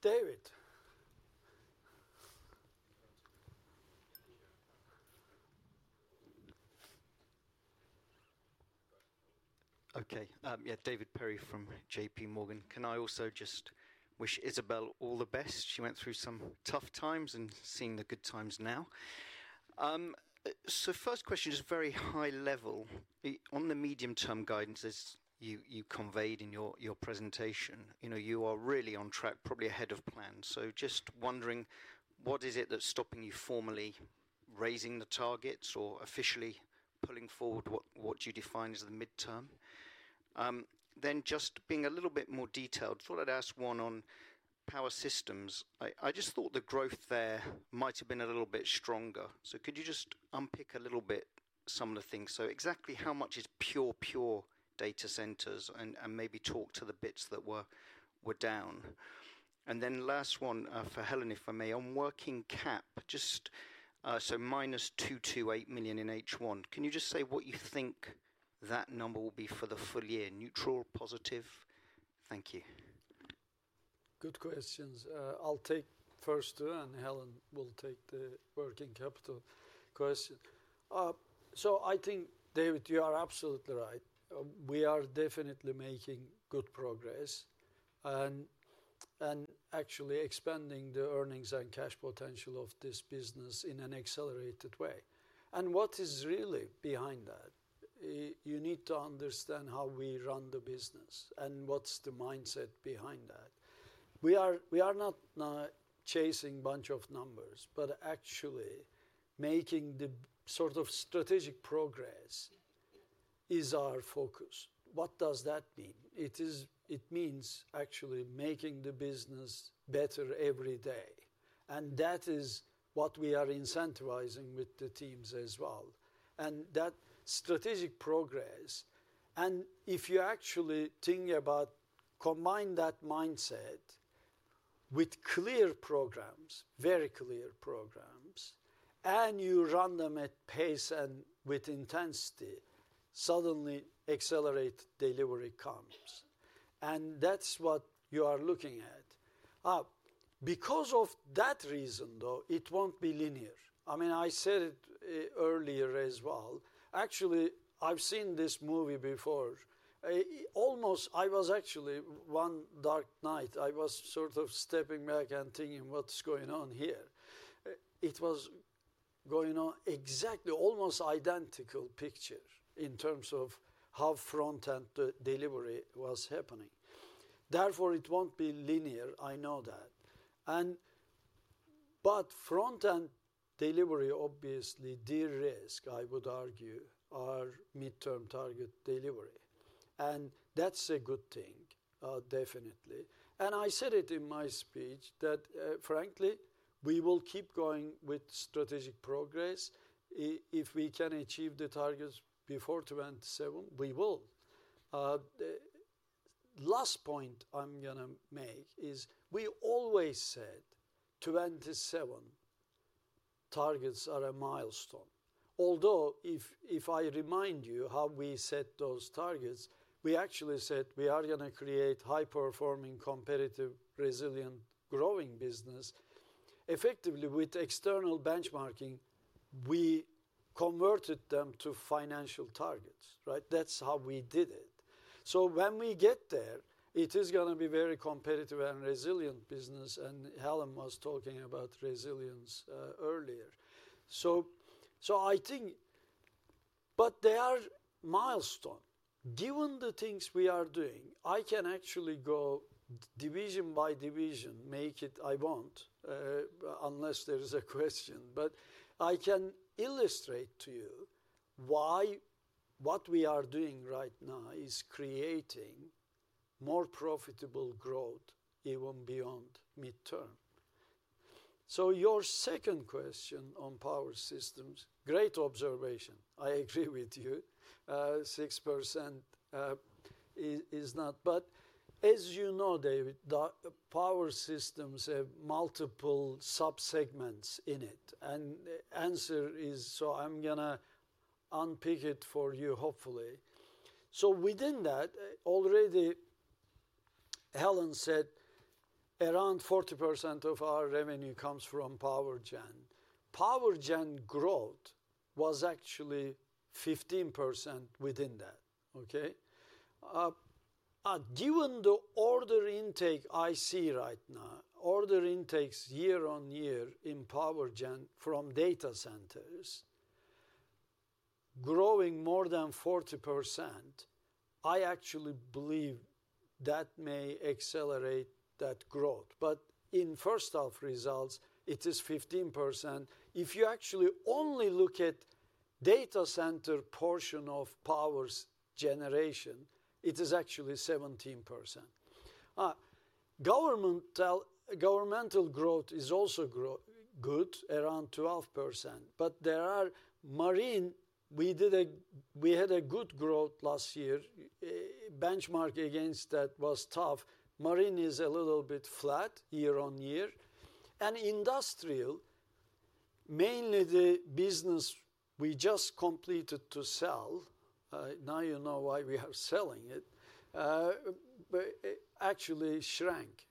David. Okay. Yeah, David Perry from JPMorgan. Can I also just wish Isabel all the best? She went through some tough times and is seeing the good times now. So first question is very high level. On the medium-term guidance as you conveyed in your presentation, you are really on track, probably ahead of plan. So just wondering, what is it that's stopping you formally raising the targets or officially pulling forward what you define as the midterm? Then just being a little bit more detailed, thought I'd ask one on Power Systems. I just thought the growth there might have been a little bit stronger. So could you just unpick a little bit some of the things? So exactly how much is pure, pure data centers and maybe talk to the bits that were down? And then last one for Helen, if I may, on working cap, just so -228 million in H1. Can you just say what you think that number will be for the full year? Neutral, positive? Thank you. Good questions. I'll take first two, and Helen will take the working capital question. So I think, David, you are absolutely right. We are definitely making good progress and actually expanding the earnings and cash potential of this business in an accelerated way. And what is really behind that? You need to understand how we run the business and what's the mindset behind that. We are not chasing a bunch of numbers, but actually making the sort of strategic progress is our focus. What does that mean? It means actually making the business better every day. And that is what we are incentivizing with the teams as well. And that strategic progress, and if you actually think about combining that mindset with clear programs, very clear programs, and you run them at pace and with intensity, suddenly accelerated delivery comes. And that's what you are looking at. Because of that reason, though, it won't be linear. I mean, I said it earlier as well. Actually, I've seen this movie before. Almost I was actually one dark night. I was sort of stepping back and thinking, what's going on here? It was going on exactly almost identical picture in terms of how front-end delivery was happening. Therefore, it won't be linear. I know that. But front-end delivery, obviously de-risk, I would argue, our midterm target delivery. And that's a good thing, definitely. And I said it in my speech that, frankly, we will keep going with strategic progress. If we can achieve the targets before 2027, we will. Last point I'm going to make is we always said 2027 targets are a milestone. Although if I remind you how we set those targets, we actually said we are going to create high-performing, competitive, resilient, growing business. Effectively, with external benchmarking, we converted them to financial targets. That's how we did it. So when we get there, it is going to be very competitive and resilient business, and Helen was talking about resilience earlier. So I think, but they are milestone. Given the things we are doing, I can actually go division by division, make it I want, unless there is a question. But I can illustrate to you why what we are doing right now is creating more profitable growth even beyond midterm. So your second question on Power Systems, great observation. I agree with you. 6% is not, but as you know, David, Power Systems have multiple subsegments in it. And the answer is, so I'm going to unpick it for you, hopefully. So within that, already Helen said around 40% of our revenue comes from power Gen. Power Gen growth was actually 15% within that. Given the order intake I see right now, order intakes year-on-year in Power Gen from data centers growing more than 40%, I actually believe that may accelerate that growth. But in first half results, it is 15%. If you actually only look at data center portion of Power Generation, it is actually 17%. Governmental growth is also good, around 12%. But there are Marine, we had a good growth last year. Benchmark against that was tough. Marine is a little bit flat year-on-year. And Industrial, mainly the business we just completed to sell, now you know why we are selling it, actually shrank.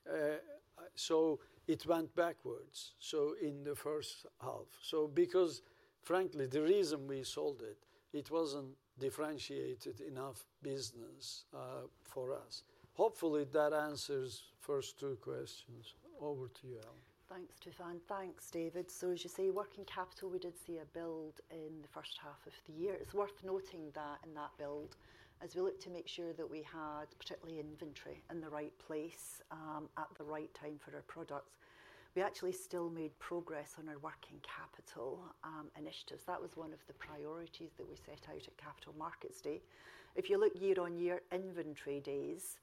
So it went backwards in the first half. So because, frankly, the reason we sold it, it wasn't differentiated enough business for us. Hopefully, that answers first two questions. Over to you, Helen. Thanks, Tufan. Thanks, David. So as you see, working capital, we did see a build in the first half of the year. It's worth noting that in that build, as we looked to make sure that we had particularly inventory in the right place at the right time for our products, we actually still made progress on our working capital initiatives. That was one of the priorities that we set out at Capital Markets Day. If you look year-on-year, inventory days,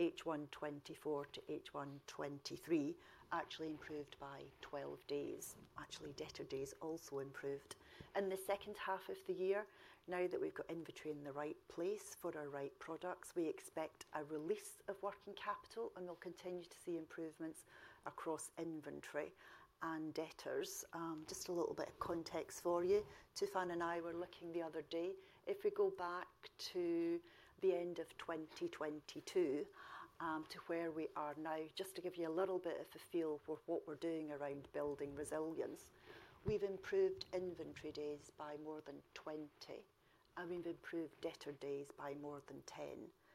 H1 2024 to H1 2023, actually improved by 12 days. Actually, debtor days also improved. In the second half of the year, now that we've got inventory in the right place for our right products, we expect a release of working capital, and we'll continue to see improvements across inventory and debtors. Just a little bit of context for you. Tufan and I were looking the other day. If we go back to the end of 2022 to where we are now, just to give you a little bit of a feel for what we're doing around building resilience, we've improved inventory days by more than 20, and we've improved debtor days by more than 10.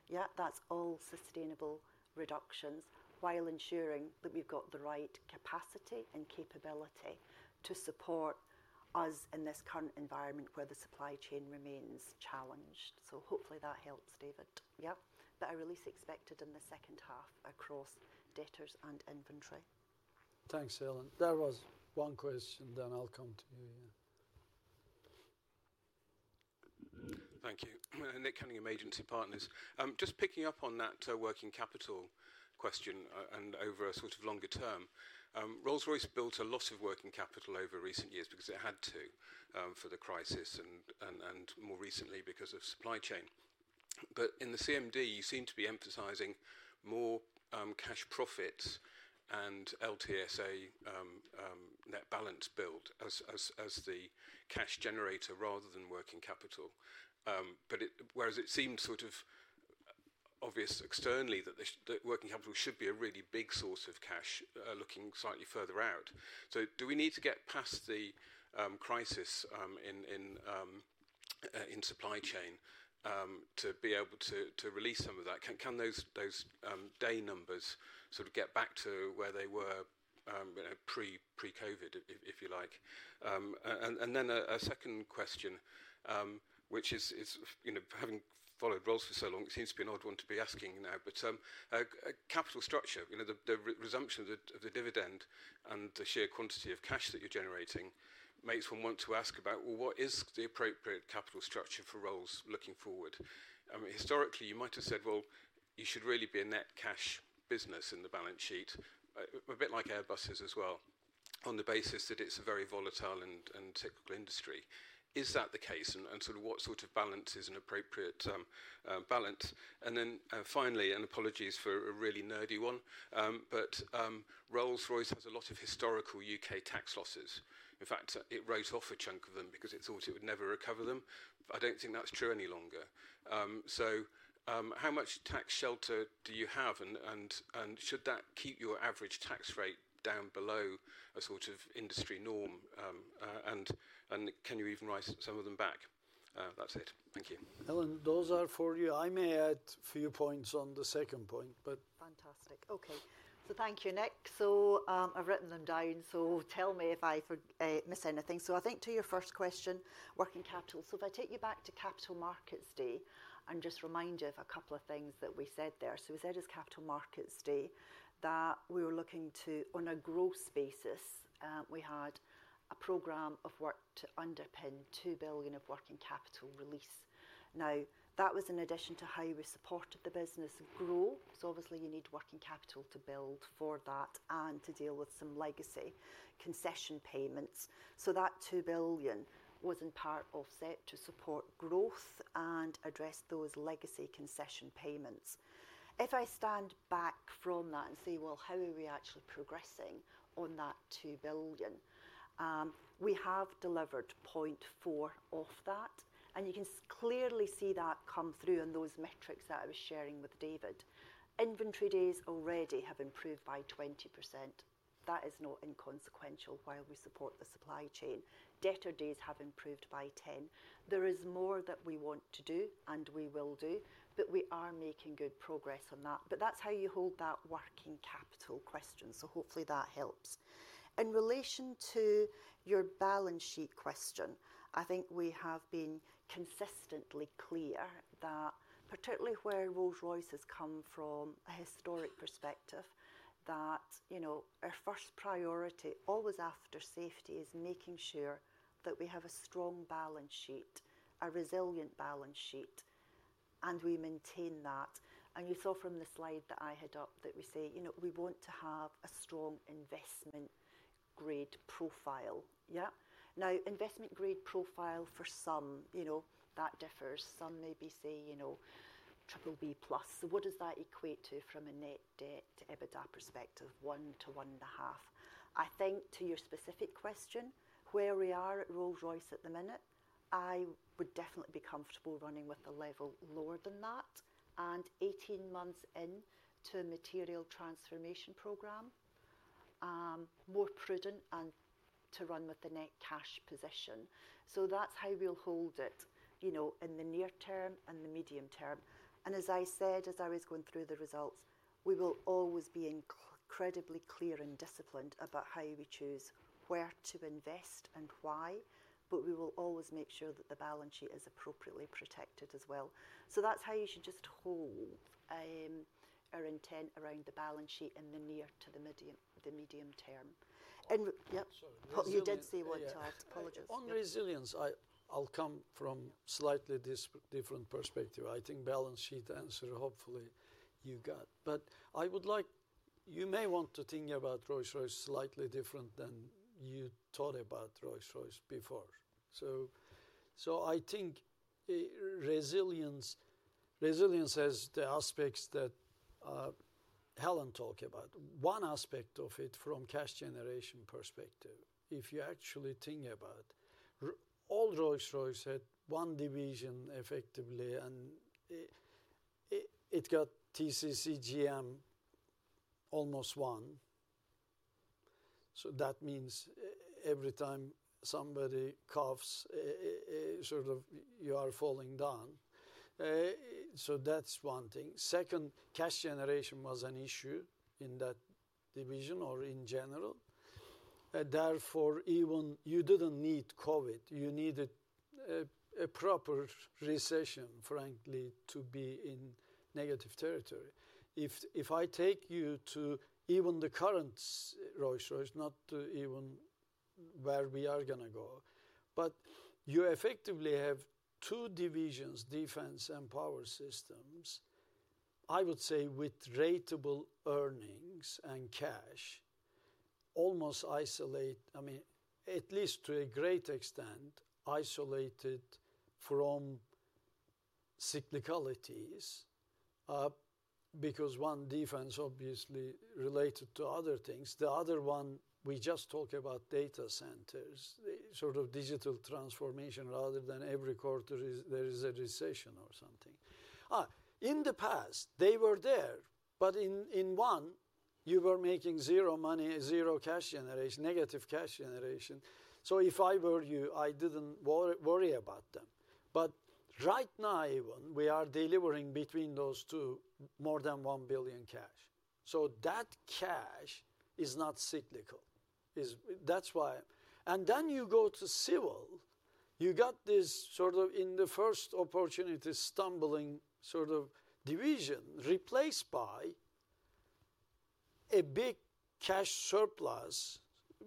Yeah, that's all sustainable reductions while ensuring that we've got the right capacity and capability to support us in this current environment where the supply chain remains challenged. So hopefully that helps, David. Yeah, but a release expected in the second half across debtors and inventory. Thanks, Helen. There was one question, then I'll come to you. Thank you. Nick Cunningham, Agency Partners. Just picking up on that working capital question and over a sort of longer term, Rolls-Royce built a lot of working capital over recent years because it had to for the crisis and more recently because of supply chain. But in the CMD, you seem to be emphasising more cash profits and LTSA net balance build as the cash generator rather than working capital. Whereas it seemed sort of obvious externally that working capital should be a really big source of cash, looking slightly further out. So do we need to get past the crisis in supply chain to be able to release some of that? Can those day numbers sort of get back to where they were pre-COVID, if you like? And then a second question, which is, having followed Rolls-Royce for so long, it seems to be an odd one to be asking now, but capital structure, the resumption of the dividend and the sheer quantity of cash that you're generating makes one want to ask about, well, what is the appropriate capital structure for Rolls-Royce looking forward? Historically, you might have said, well, you should really be a net cash business in the balance sheet, a bit like Airbus as well, on the basis that it's a very volatile and technical industry. Is that the case? And sort of what sort of balance is an appropriate balance? And then finally, and apologies for a really nerdy one, but Rolls-Royce has a lot of historical U.K. tax losses. In fact, it wrote off a chunk of them because it thought it would never recover them. I don't think that's true any longer. So how much tax shelter do you have, and should that keep your average tax rate down below a sort of industry norm, and can you even write some of them back? That's it. Thank you. Helen, those are for you. I may add a few points on the second point, but. Fantastic. Okay. So thank you, Nick. So I've written them down. So tell me if I missed anything. So I think to your first question, working capital. So if I take you back to Capital Markets Day and just remind you of a couple of things that we said there. So we said at Capital Markets Day that we were looking to, on a growth basis, we had a program of work to underpin 2 billion of working capital release. Now, that was in addition to how we supported the business grow. So obviously, you need working capital to build for that and to deal with some legacy concession payments. So that 2 billion was in part offset to support growth and address those legacy concession payments. If I stand back from that and say, well, how are we actually progressing on that 2 billion? We have delivered 0.4 billion of that. And you can clearly see that come through in those metrics that I was sharing with David. Inventory days already have improved by 20%. That is not inconsequential while we support the supply chain. Debtor days have improved by 10%. There is more that we want to do and we will do, but we are making good progress on that. But that's how you hold that working capital question. So hopefully that helps. In relation to your balance sheet question, I think we have been consistently clear that, particularly where Rolls-Royce has come from a historic perspective, that our first priority, always after safety, is making sure that we have a strong balance sheet, a resilient balance sheet, and we maintain that. And you saw from the slide that I had up that we say, you know, we want to have a strong investment-grade profile. Yeah? Now, investment-grade profile for some, you know, that differs. Some maybe say, you know, BBB+. So what does that equate to from a net debt to EBITDA perspective, one to 1.5? I think to your specific question, where we are at Rolls-Royce at the minute, I would definitely be comfortable running with a level lower than that and 18 months into a material transformation program, more prudent and to run with the net cash position. So that's how we'll hold it in the near term and the medium term. And as I said, as I was going through the results, we will always be incredibly clear and disciplined about how we choose where to invest and why, but we will always make sure that the balance sheet is appropriately protected as well. So that's how you should just hold our intent around the balance sheet in the near to the medium term. And yeah, you did say one to us. Apologies. On resilience, I'll come from slightly different perspective. I think balance sheet answer, hopefully, you got. But I would like, you may want to think about Rolls-Royce slightly different than you thought about Rolls-Royce before. So I think resilience has the aspects that Helen talked about. One aspect of it from cash generation perspective, if you actually think about, all Rolls-Royce had one division effectively, and it got TCC/GM almost one. So that means every time somebody coughs, sort of you are falling down. So that's one thing. Second, cash generation was an issue in that division or in general. Therefore, even you didn't need COVID. You needed a proper recession, frankly, to be in negative territory. If I take you to even the current Rolls-Royce, not to even where we are going to go, but you effectively have two divisions, Defence and Power Systems, I would say with ratable earnings and cash, almost isolate, I mean, at least to a great extent, isolated from cyclicalities. Because one defence, obviously, related to other things. The other one, we just talk about data centers, sort of digital transformation, rather than every quarter there is a recession or something. In the past, they were there, but in one, you were making zero money, zero cash generation, negative cash generation. So if I were you, I didn't worry about them. But right now, even, we are delivering between those two more than 1 billion cash. So that cash is not cyclical. That's why. And then you go to Civil, you got this sort of in the first opportunity stumbling sort of division replaced by a big cash surplus,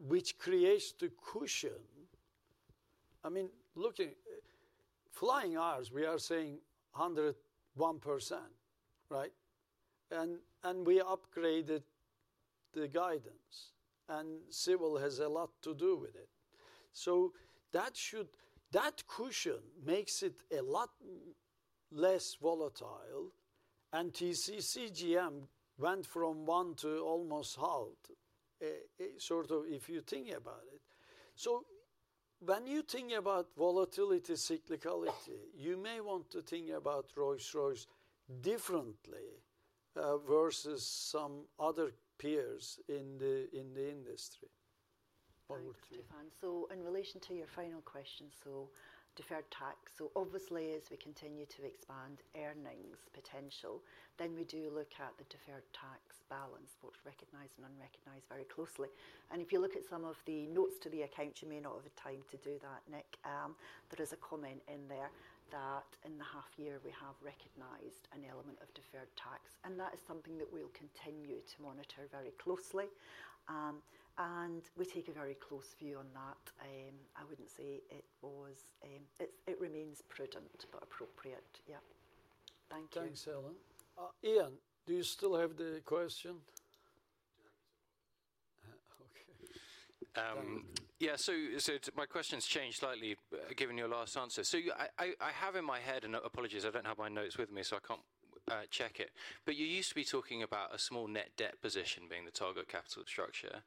which creates the cushion. I mean, looking, flying hours, we are saying 101%, right? And we upgraded the guidance, and Civil has a lot to do with it. So that cushion makes it a lot less volatile, and TCC/GM went from one to almost halved, sort of if you think about it. So when you think about volatility, cyclicality, you may want to think about Rolls-Royce differently versus some other peers in the industry. Thank you, Tufan. So in relation to your final question, so deferred tax. So obviously, as we continue to expand earnings potential, then we do look at the deferred tax balance, both recognized and unrecognized very closely. And if you look at some of the notes to the account, you may not have had time to do that, Nick. There is a comment in there that in the half year, we have recognized an element of deferred tax. And that is something that we'll continue to monitor very closely. And we take a very close view on that. I wouldn't say it was. It remains prudent, but appropriate. Yeah. Thank you. Thanks, Helen. Ian, do you still have the question? Okay. Yeah, so my question's changed slightly given your last answer. So I have in my head, and apologies, I don't have my notes with me, so I can't check it. But you used to be talking about a small net debt position being the target capital structure,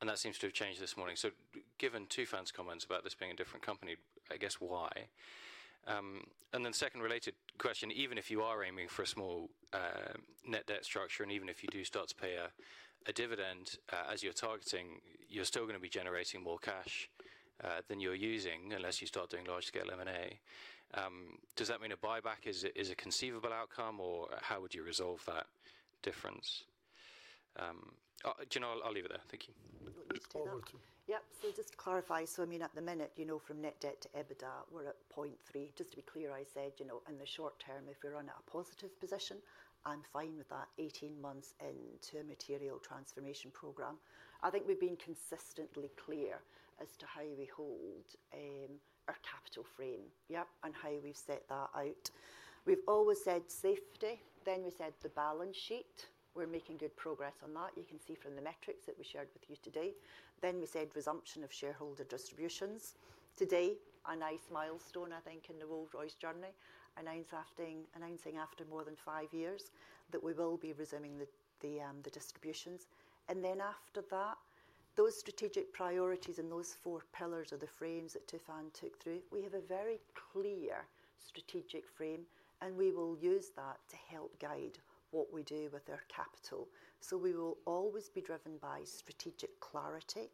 and that seems to have changed this morning. So given Tufan's comments about this being a different company, I guess why? And then second related question, even if you are aiming for a small net debt structure, and even if you do start to pay a dividend as you're targeting, you're still going to be generating more cash than you're using unless you start doing large-scale M&A. Does that mean a buyback is a conceivable outcome, or how would you resolve that difference? I'll leave it there. Thank you. Over to you. Yep. So just to clarify, so I mean, at the minute, you know, from net debt to EBITDA, we're at 0.3. Just to be clear, I said, you know, in the short term, if we're on a positive position, I'm fine with that 18 months into a material transformation program. I think we've been consistently clear as to how we hold our capital frame, yep, and how we've set that out. We've always said safety, then we said the balance sheet. We're making good progress on that. You can see from the metrics that we shared with you today. Then we said resumption of shareholder distributions. Today, a nice milestone, I think, in the Rolls-Royce journey, announcing after more than five years that we will be resuming the distributions. And then after that, those strategic priorities and those four pillars are the frames that Tufan took through. We have a very clear strategic frame, and we will use that to help guide what we do with our capital. So we will always be driven by strategic clarity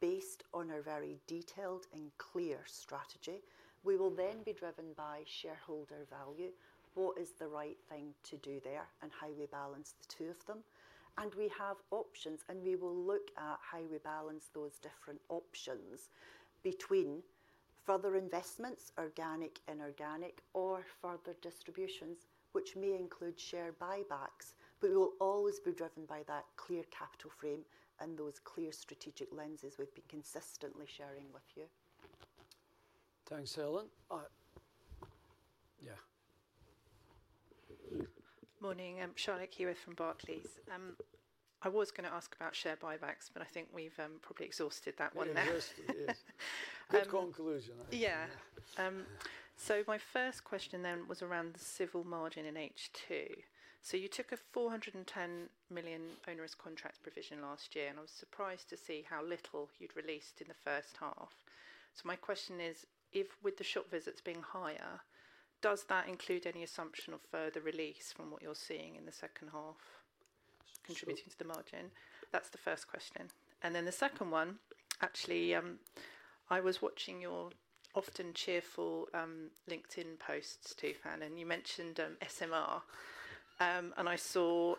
based on our very detailed and clear strategy. We will then be driven by shareholder value, what is the right thing to do there and how we balance the two of them. And we have options, and we will look at how we balance those different options between further investments, organic, inorganic, or further distributions, which may include share buybacks. But we will always be driven by that clear capital frame and those clear strategic lenses we've been consistently sharing with you. Thanks, Helen. Yeah. Morning. Charlotte Keyworth here from Barclays. I was going to ask about share buybacks, but I think we've probably exhausted that one there. Good conclusion. Yeah. So my first question then was around the Civil margin in H2. So you took a 410 million onerous contract provision last year, and I was surprised to see how little you'd released in the first half. So my question is, if with the shop visits being higher, does that include any assumption of further release from what you're seeing in the second half contributing to the margin? That's the first question. And then the second one, actually, I was watching your often cheerful LinkedIn posts, Tufan, and you mentioned SMR. I saw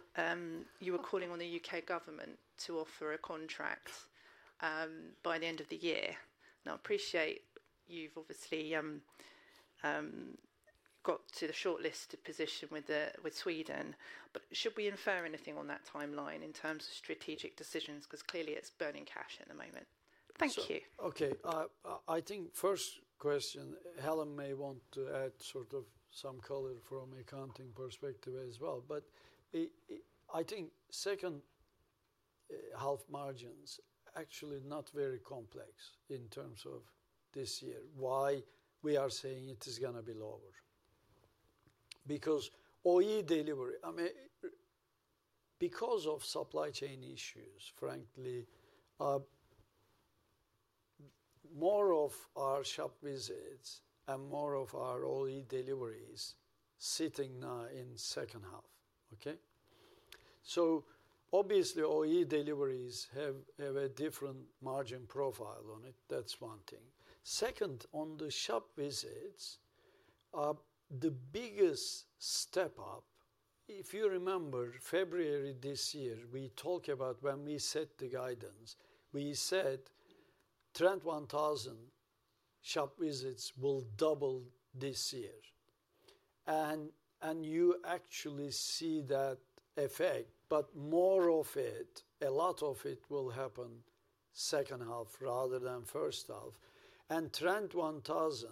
you were calling on the U.K. government to offer a contract by the end of the year. Now, I appreciate you've obviously got to the shortlisted position with Sweden, but should we infer anything on that timeline in terms of strategic decisions? Because clearly it's burning cash at the moment. Thank you. Okay. I think first question, Helen may want to add sort of some color from an accounting perspective as well. But I think second half margins actually not very complex in terms of this year. Why we are saying it is going to be lower? Because OE delivery, I mean, because of supply chain issues, frankly, more of our shop visits and more of our OE deliveries sitting now in second half. Okay? So obviously, OE deliveries have a different margin profile on it. That's one thing. Second, on the shop visits, the biggest step up, if you remember, February this year, we talked about when we set the guidance. We said Trent 1000 shop visits will double this year. And you actually see that effect, but more of it, a lot of it will happen second half rather than first half. And Trent 1000,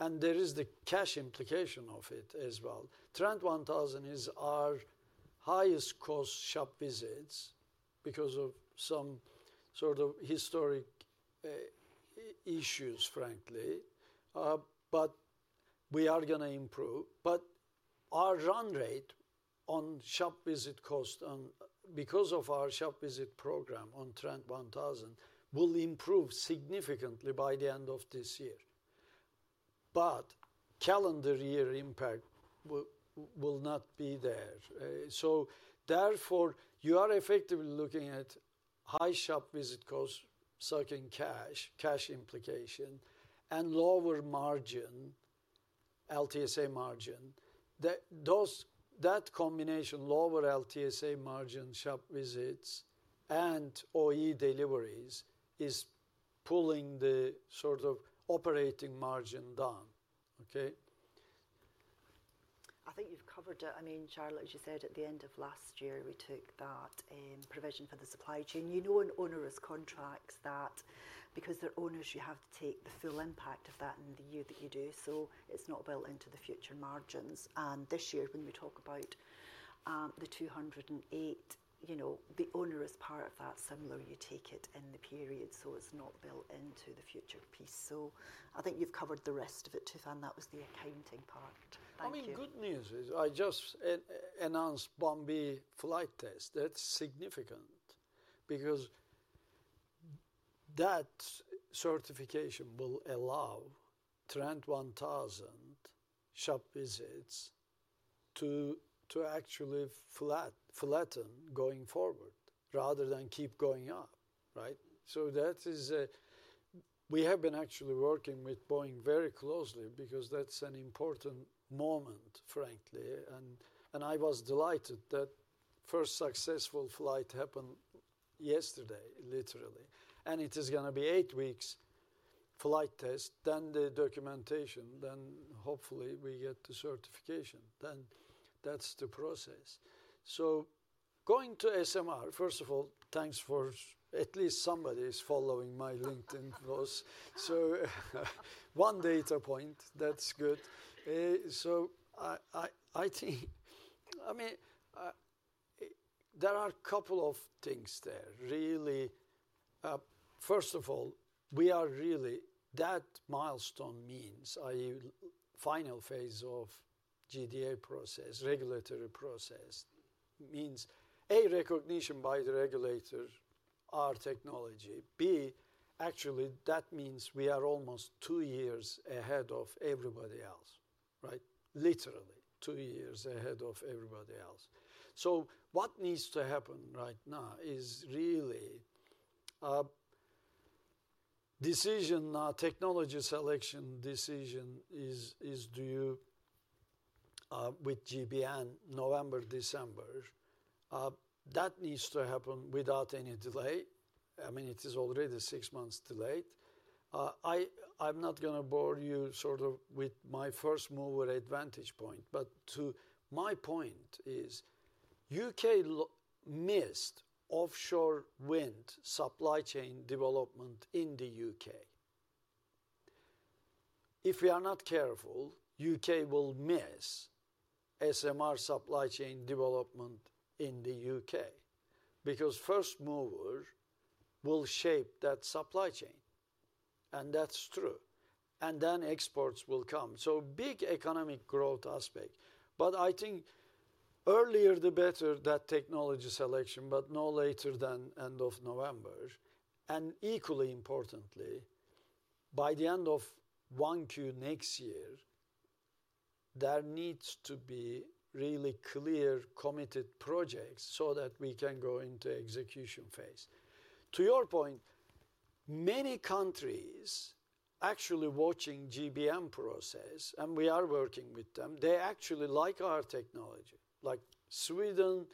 and there is the cash implication of it as well. Trent 1000 is our highest cost shop visits because of some sort of historic issues, frankly. But we are going to improve. But our run rate on shop visit cost, because of our shop visit program on Trent 1000, will improve significantly by the end of this year. But calendar year impact will not be there. So therefore, you are effectively looking at high shop visit cost, sucking cash, cash implication, and lower margin, LTSA margin. That combination, lower LTSA margin, shop visits and OE deliveries is pulling the sort of operating margin down. Okay? I think you've covered it. I mean, Charlotte, as you said, at the end of last year, we took that provision for the supply chain. You know in onerous contracts that because they're onerous, you have to take the full impact of that in the year that you do. So it's not built into the future margins. And this year, when we talk about the 208, you know, the onerous part of that, similar, you take it in the period. So it's not built into the future piece. So I think you've covered the rest of it, Tufan. That was the accounting part. Thank you. I mean, good news is I just announced Boeing flight test. That's significant because that certification will allow Trent 1000 shop visits to actually flatten going forward rather than keep going up, right? So that is, we have been actually working with Boeing very closely because that's an important moment, frankly. And I was delighted that first successful flight happened yesterday, literally. And it is going to be eight weeks flight test, then the documentation, then hopefully we get the certification. Then that's the process. So going to SMR, first of all, thanks for at least somebody is following my LinkedIn post. So one data point, that's good. So I think, I mean, there are a couple of things there, really. First of all, we are really, that milestone means, i.e., final phase of GDA process, regulatory process means A, recognition by the regulator, our technology. B, actually, that means we are almost 2 years ahead of everybody else, right? Literally, 2 years ahead of everybody else. So what needs to happen right now is really decision, technology selection decision is, due with GBN, November, December, that needs to happen without any delay. I mean, it is already six months delayed. I'm not going to bore you sort of with my first mover advantage point, but to my point is U.K. missed offshore wind supply chain development in the U.K. If we are not careful, U.K. will miss SMR supply chain development in the U.K. because first mover will shape that supply chain. And that's true. And then exports will come. So big economic growth aspect. But I think earlier the better that technology selection, but no later than end of November. And equally importantly, by the end of 1Q next year, there needs to be really clear, committed projects so that we can go into execution phase. To your point, many countries actually watching GBN process, and we are working with them. They actually like our technology. Like Sweden,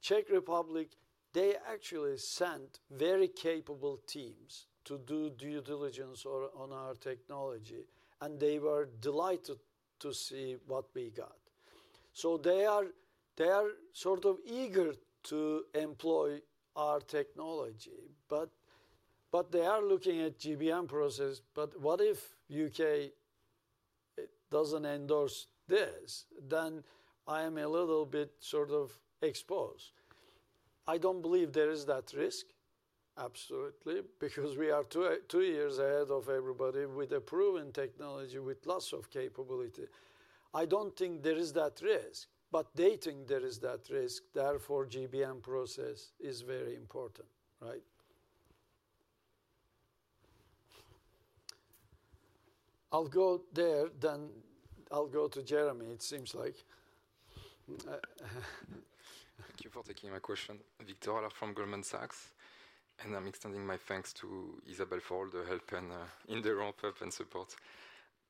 Czech Republic, they actually sent very capable teams to do due diligence on our technology, and they were delighted to see what we got. So they are sort of eager to employ our technology, but they are looking at GBN process. But what if U.K. doesn't endorse this? Then I am a little bit sort of exposed. I don't believe there is that risk, absolutely, because we are two years ahead of everybody with a proven technology with lots of capability. I don't think there is that risk, but they think there is that risk. Therefore, GBN process is very important, right? I'll go there, then I'll go to Jeremy, it seems like. Thank you for taking my question, Victor. I'm from Goldman Sachs, and I'm extending my thanks to Isabel for all the help and in the ramp-up and support.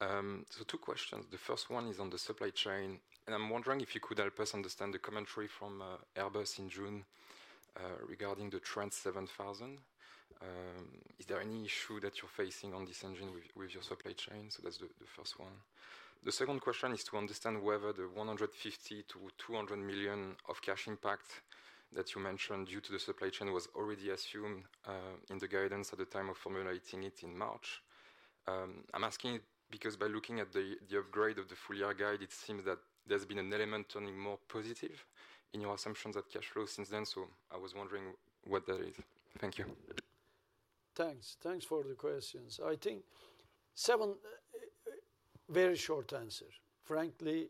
So two questions. The first one is on the supply chain, and I'm wondering if you could help us understand the commentary from Airbus in June regarding the Trent 7000. Is there any issue that you're facing on this engine with your supply chain? So that's the first one. The second question is to understand whether the 150 million-200 million of cash impact that you mentioned due to the supply chain was already assumed in the guidance at the time of formulating it in March. I'm asking because by looking at the upgrade of the full year guide, it seems that there's been an element turning more positive in your assumptions at cash flow since then. So I was wondering what that is. Thank you. Thanks. Thanks for the questions. I think seven, very short answer. Frankly,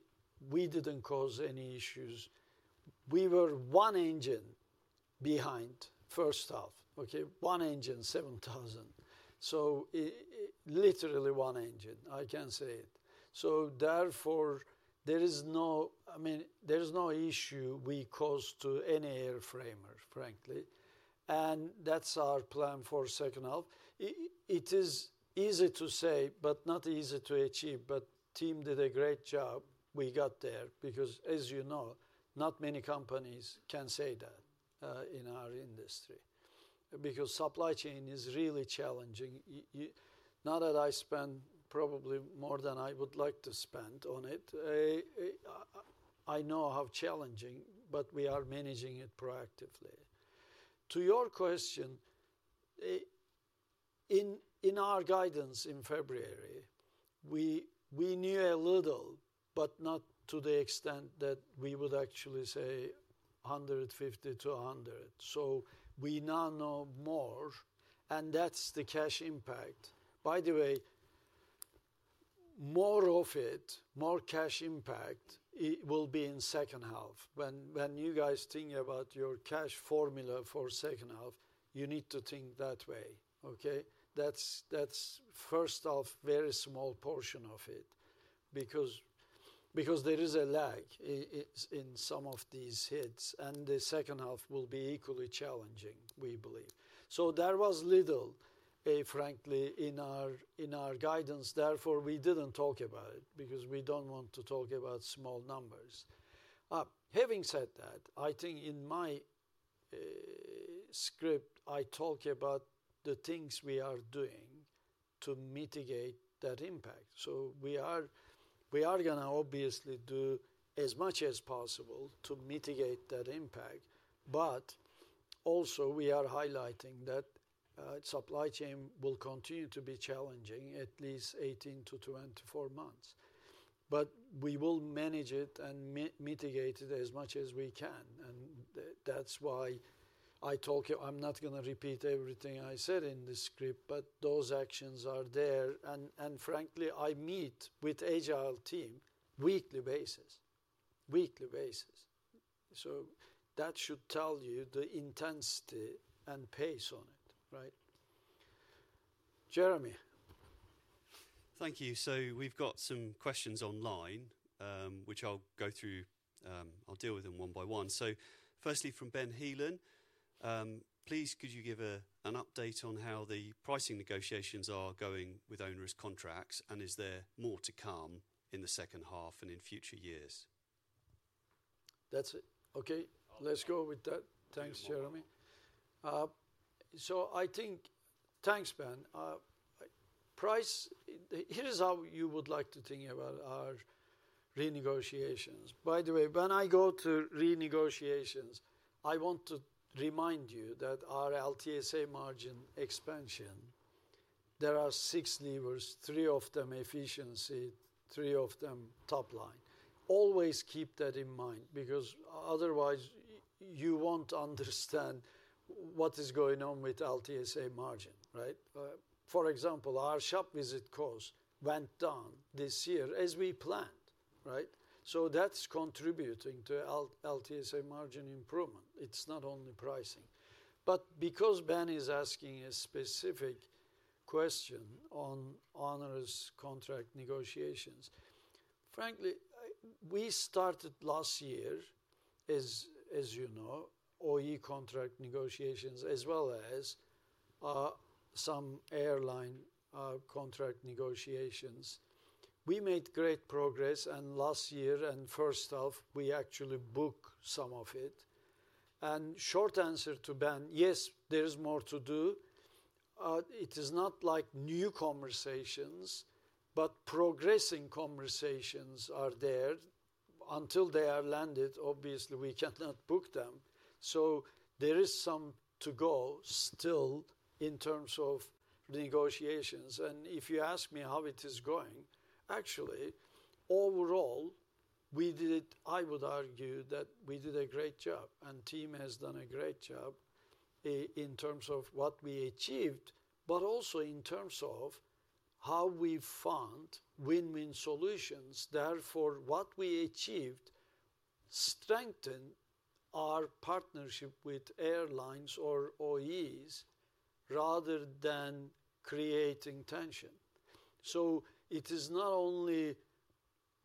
we didn't cause any issues. We were one engine behind first half, okay? One engine, 7000. So literally one engine, I can say it. So therefore, there is no, I mean, there's no issue we caused to any airframer, frankly. That's our plan for second half. It is easy to say, but not easy to achieve. Team did a great job. We got there because, as you know, not many companies can say that in our industry because supply chain is really challenging. Not that I spend probably more than I would like to spend on it. I know how challenging, but we are managing it proactively. To your question, in our guidance in February, we knew a little, but not to the extent that we would actually say 150 million-200 million. So we now know more, and that's the cash impact. By the way, more of it, more cash impact, it will be in second half. When you guys think about your cash formula for second half, you need to think that way, okay? That's first off, very small portion of it because there is a lag in some of these hits, and the second half will be equally challenging, we believe. So there was little, frankly, in our guidance. Therefore, we didn't talk about it because we don't want to talk about small numbers. Having said that, I think in my script, I talk about the things we are doing to mitigate that impact. So we are going to obviously do as much as possible to mitigate that impact. But also, we are highlighting that supply chain will continue to be challenging at least 18-24 months. But we will manage it and mitigate it as much as we can. And that's why I talk, I'm not going to repeat everything I said in the script, but those actions are there. And frankly, I meet with agile team weekly basis, weekly basis. So that should tell you the intensity and pace on it, right? Jeremy. Thank you. So we've got some questions online, which I'll go through, I'll deal with them one by one. So firstly from Ben Heelan, please, could you give an update on how the pricing negotiations are going with onerous contracts? And is there more to come in the second half and in future years? That's okay. Let's go with that. Thanks, Jeremy. So I think, thanks, Ben. Price, here's how you would like to think about our renegotiations. By the way, when I go to renegotiations, I want to remind you that our LTSA margin expansion, there are six levers, three of them efficiency, three of them top line. Always keep that in mind because otherwise you won't understand what is going on with LTSA margin, right? For example, our shop visit cost went down this year as we planned, right? So that's contributing to LTSA margin improvement. It's not only pricing. But because Ben is asking a specific question on onerous contract negotiations, frankly, we started last year, as you know, OE contract negotiations as well as some airline contract negotiations. We made great progress and last year and first half, we actually booked some of it. And short answer to Ben, yes, there is more to do. It is not like new conversations, but progressing conversations are there until they are landed. Obviously, we cannot book them. So there is some to go still in terms of negotiations. And if you ask me how it is going, actually, overall, we did, I would argue that we did a great job and team has done a great job in terms of what we achieved, but also in terms of how we fund win-win solutions. Therefore, what we achieved strengthened our partnership with airlines or OEs rather than creating tension. So it is not only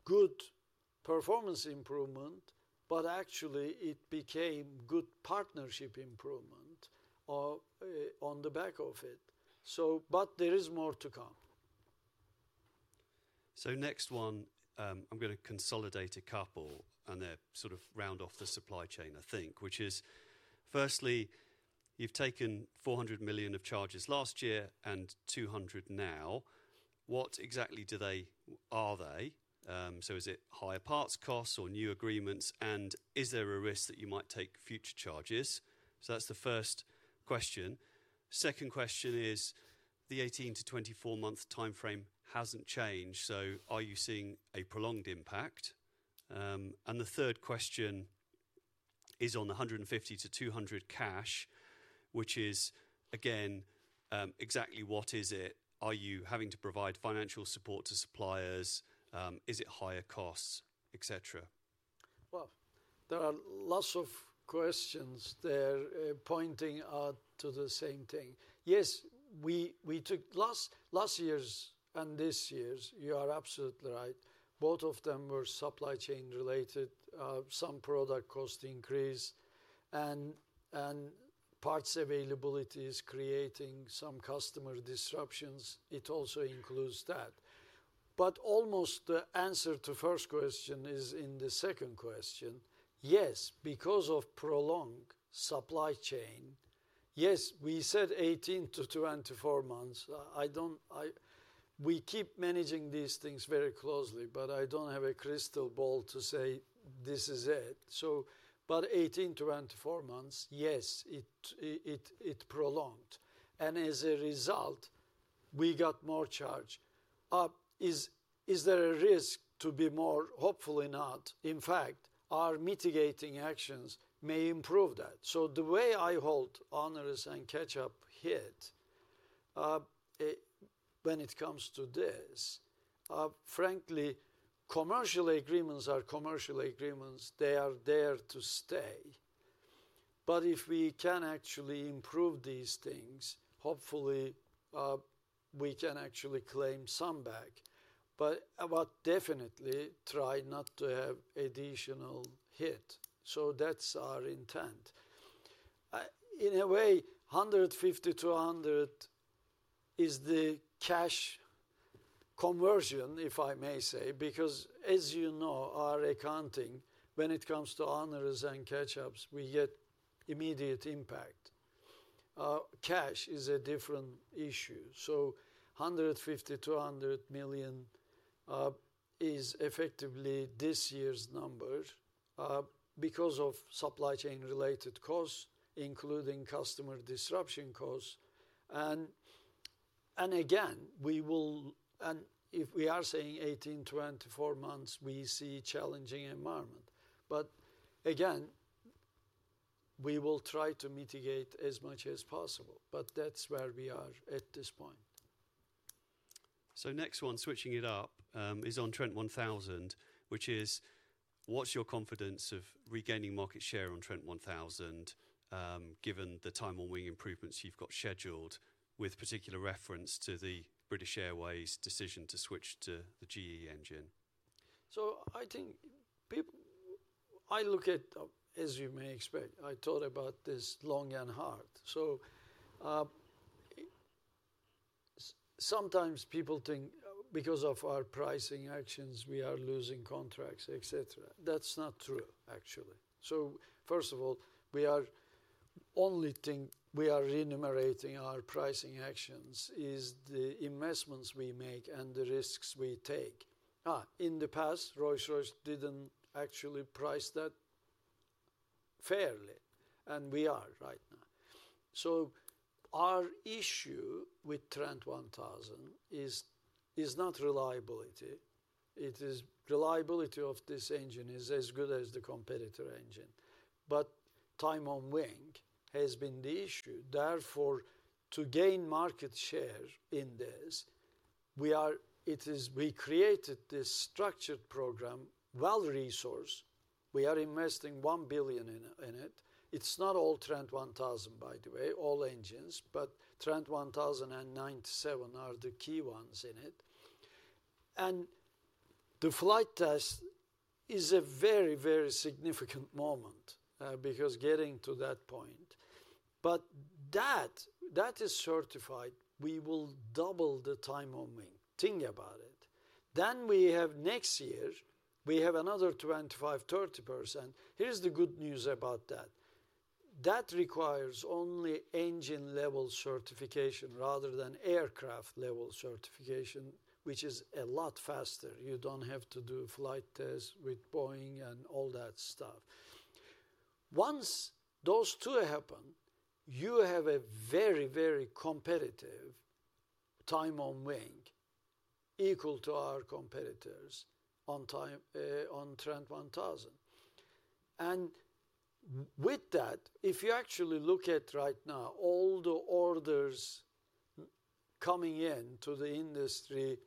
good performance improvement, but actually it became good partnership improvement on the back of it. So, but there is more to come. So next one, I'm going to consolidate a couple and they're sort of round off the supply chain, I think, which is firstly, you've taken 400 million of charges last year and 200 million now. What exactly do they, are they? So is it higher parts costs or new agreements? And is there a risk that you might take future charges? So that's the first question. Second question is the 18-24 month timeframe hasn't changed. So are you seeing a prolonged impact? And the third question is on the 150 million-200 million cash, which is again, exactly what is it? Are you having to provide financial support to suppliers? Is it higher costs, etc.? Well, there are lots of questions there pointing out to the same thing. Yes, we took last year's and this year's, you are absolutely right. Both of them were supply chain related, some product cost increase and parts availability is creating some customer disruptions. It also includes that. But almost the answer to first question is in the second question. Yes, because of prolonged supply chain, yes, we said 18-24 months. I don't, we keep managing these things very closely, but I don't have a crystal ball to say this is it. So, but 18-24 months, yes, it prolonged. And as a result, we got more charge. Is there a risk to be more? Hopefully not. In fact, our mitigating actions may improve that. So the way I hold onerous and catch-up hit when it comes to this, frankly, commercial agreements are commercial agreements. They are there to stay. But if we can actually improve these things, hopefully we can actually claim some back. But definitely try not to have additional hit. So that's our intent. In a way, 150 million-200 million is the cash conversion, if I may say, because as you know, our accounting, when it comes to onerous and catch-ups, we get immediate impact. Cash is a different issue. So 150 million-200 million is effectively this year's number because of supply chain related costs, including customer disruption costs. And again, we will, and if we are saying 18-24 months, we see a challenging environment. But again, we will try to mitigate as much as possible. But that's where we are at this point. So next one, switching it up, is on Trent 1000, which is what's your confidence of regaining market share on Trent 1000 given the time on wing improvements you've got scheduled with particular reference to the British Airways decision to switch to the GE engine? So I think I look at, as you may expect, I thought about this long and hard. So sometimes people think because of our pricing actions, we are losing contracts, etc. That's not true, actually. So first of all, the only thing we are remunerating for in our pricing actions is the investments we make and the risks we take. In the past, Rolls-Royce didn't actually price that fairly, and we are right now. So our issue with Trent 1000 is not reliability. The reliability of this engine is as good as the competitor engine. But time on wing has been the issue. Therefore, to gain market share in this, we created this structured program, well-resourced. We are investing 1 billion in it. It's not all Trent 1000. By the way, all engines, but Trent 1000 and XWB-97 are the key ones in it. And the flight test is a very, very significant moment because getting to that point. But that is certified. We will double the time on wing. Think about it. Then next year, we have another 25%-30%. Here's the good news about that. That requires only engine level certification rather than aircraft level certification, which is a lot faster. You don't have to do flight tests with Boeing and all that stuff. Once those two happen, you have a very, very competitive time on wing equal to our competitors on Trent 1000. And with that, if you actually look at right now, all the orders coming into the industry,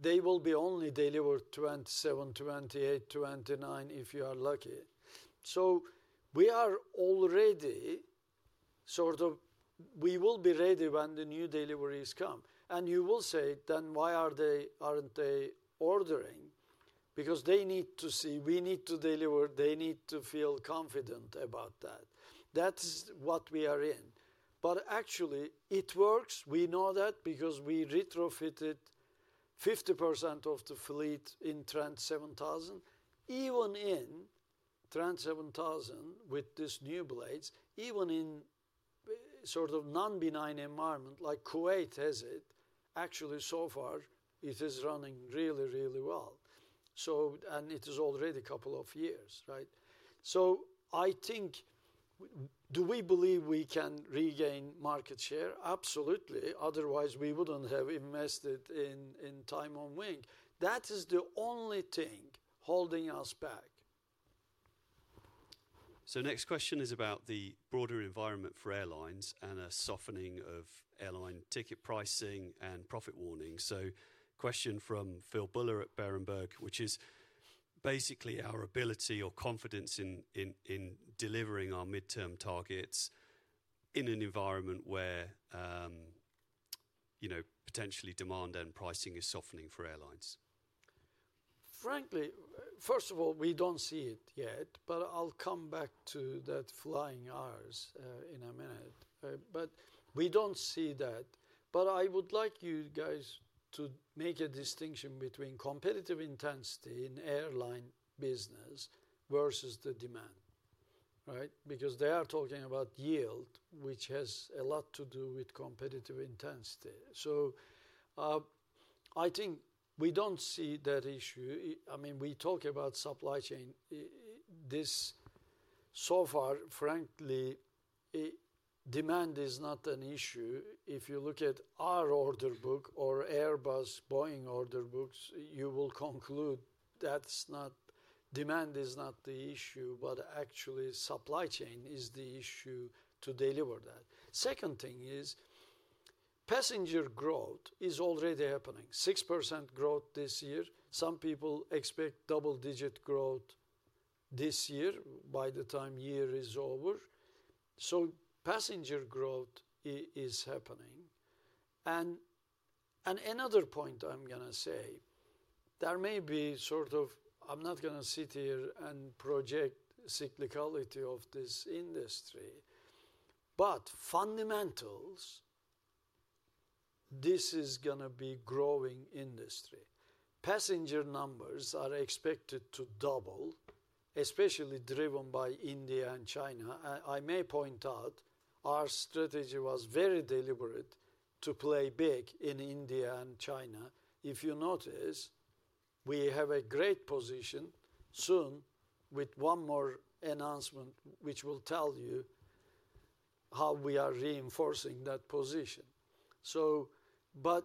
they will be only delivered 2027, 2028, 2029 if you are lucky. So we are already sort of, we will be ready when the new deliveries come. And you will say, then why aren't they ordering? Because they need to see, we need to deliver, they need to feel confident about that. That's what we are in. But actually, it works. We know that because we retrofitted 50% of the fleet in Trent 7000. Even in Trent 7000 with these new blades, even in sort of non-benign environment like Kuwait has it, actually so far it is running really, really well. So, and it is already a couple of years, right? So I think, do we believe we can regain market share? Absolutely. Otherwise, we wouldn't have invested in time on wing. That is the only thing holding us back. So next question is about the broader environment for airlines and a softening of airline ticket pricing and profit warning. So question from Phil Buller at Berenberg, which is basically our ability or confidence in delivering our midterm targets in an environment where potentially demand and pricing is softening for airlines. Frankly, first of all, we don't see it yet, but I'll come back to that flying hours in a minute. But we don't see that. But I would like you guys to make a distinction between competitive intensity in airline business versus the demand, right? Because they are talking about yield, which has a lot to do with competitive intensity. So I think we don't see that issue. I mean, we talk about supply chain thus far, frankly, demand is not an issue. If you look at our order book or Airbus, Boeing order books, you will conclude that demand is not the issue, but actually supply chain is the issue to deliver that. Second thing is passenger growth is already happening. 6% growth this year. Some people expect double-digit growth this year by the time year is over. So passenger growth is happening. Another point I'm going to say, there may be sort of, I'm not going to sit here and project cyclicality of this industry, but fundamentals, this is going to be growing industry. Passenger numbers are expected to double, especially driven by India and China. I may point out our strategy was very deliberate to play big in India and China. If you notice, we have a great position soon with one more announcement, which will tell you how we are reinforcing that position. So, but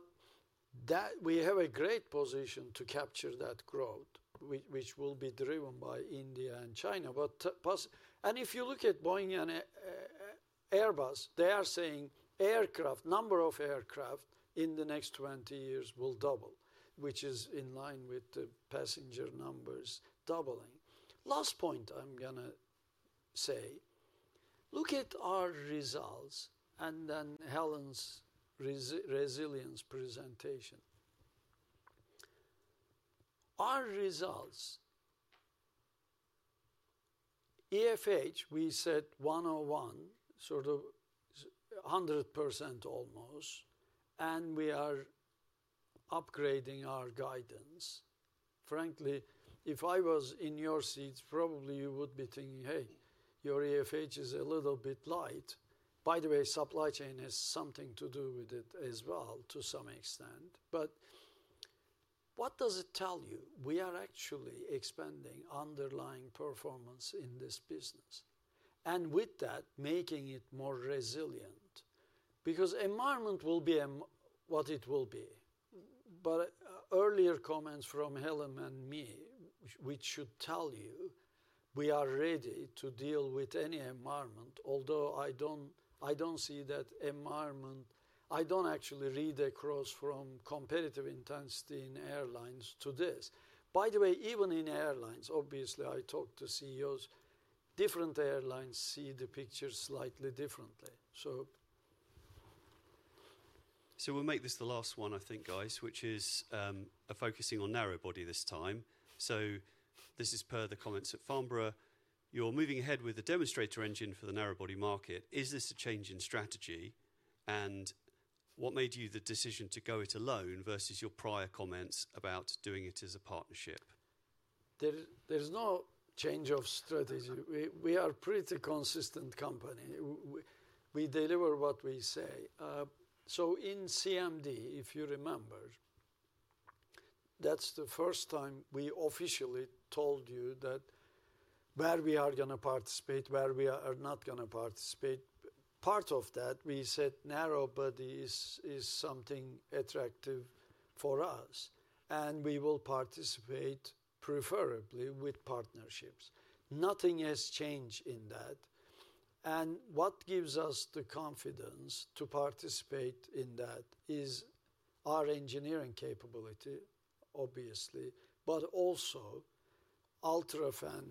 we have a great position to capture that growth, which will be driven by India and China. And if you look at Boeing and Airbus, they are saying aircraft, number of aircraft in the next 20 years will double, which is in line with the passenger numbers doubling. Last point I'm going to say, look at our results and then Helen's resilience presentation. Our results, EFH, we said 101, sort of 100% almost, and we are upgrading our guidance. Frankly, if I was in your seats, probably you would be thinking, hey, your EFH is a little bit light. By the way, supply chain has something to do with it as well to some extent. But what does it tell you? We are actually expanding underlying performance in this business and with that, making it more resilient because environment will be what it will be. But earlier comments from Helen and me, which should tell you we are ready to deal with any environment, although I don't see that environment, I don't actually read across from competitive intensity in airlines to this. By the way, even in airlines, obviously I talked to CEOs, different airlines see the picture slightly differently. So. So we'll make this the last one, I think, guys, which is focusing on narrow body this time. So this is per the comments at Farnborough. You're moving ahead with the demonstrator engine for the narrow body market. Is this a change in strategy? And what made you the decision to go it alone versus your prior comments about doing it as a partnership? There's no change of strategy. We are a pretty consistent company. We deliver what we say. So in CMD, if you remember, that's the first time we officially told you that where we are going to participate, where we are not going to participate. Part of that, we said narrow body is something attractive for us and we will participate preferably with partnerships. Nothing has changed in that. What gives us the confidence to participate in that is our engineering capability, obviously, but also UltraFan,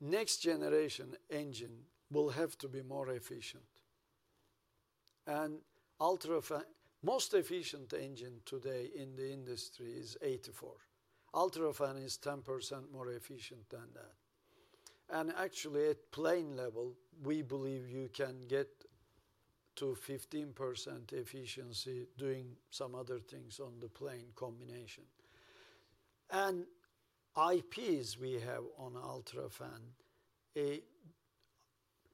next generation engine will have to be more efficient. UltraFan, the most efficient engine today in the industry is 84. UltraFan is 10% more efficient than that. Actually at plane level, we believe you can get to 15% efficiency doing some other things on the plane combination. IPs we have on UltraFan,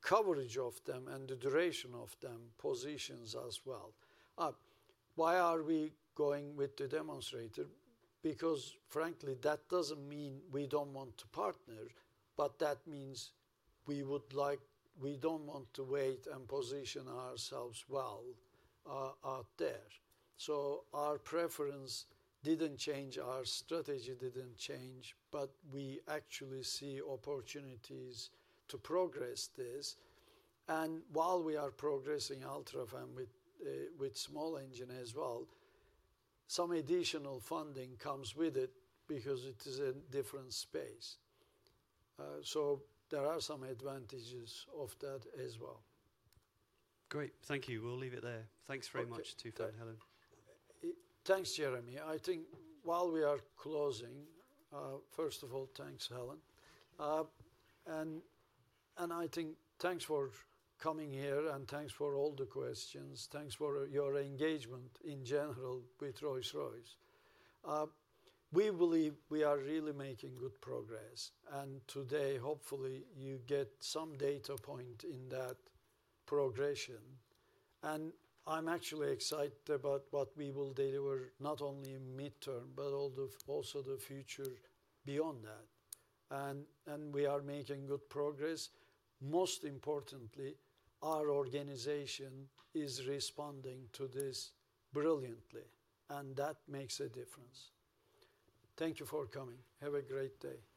coverage of them and the duration of them positions us well. Why are we going with the demonstrator? Because frankly, that doesn't mean we don't want to partner, but that means we would like, we don't want to wait and position ourselves well out there. Our preference didn't change, our strategy didn't change, but we actually see opportunities to progress this. And while we are progressing UltraFan with small engine as well, some additional funding comes with it because it is a different space. So there are some advantages of that as well. Great. Thank you. We'll leave it there. Thanks very much too for that, Helen. Thanks, Jeremy. I think while we are closing, first of all, thanks, Helen. And I think thanks for coming here and thanks for all the questions. Thanks for your engagement in general with Rolls-Royce. We believe we are really making good progress. And today, hopefully, you get some data point in that progression. And I'm actually excited about what we will deliver not only in midterm, but also the future beyond that. And we are making good progress. Most importantly, our organization is responding to this brilliantly. And that makes a difference. Thank you for coming. Have a great day.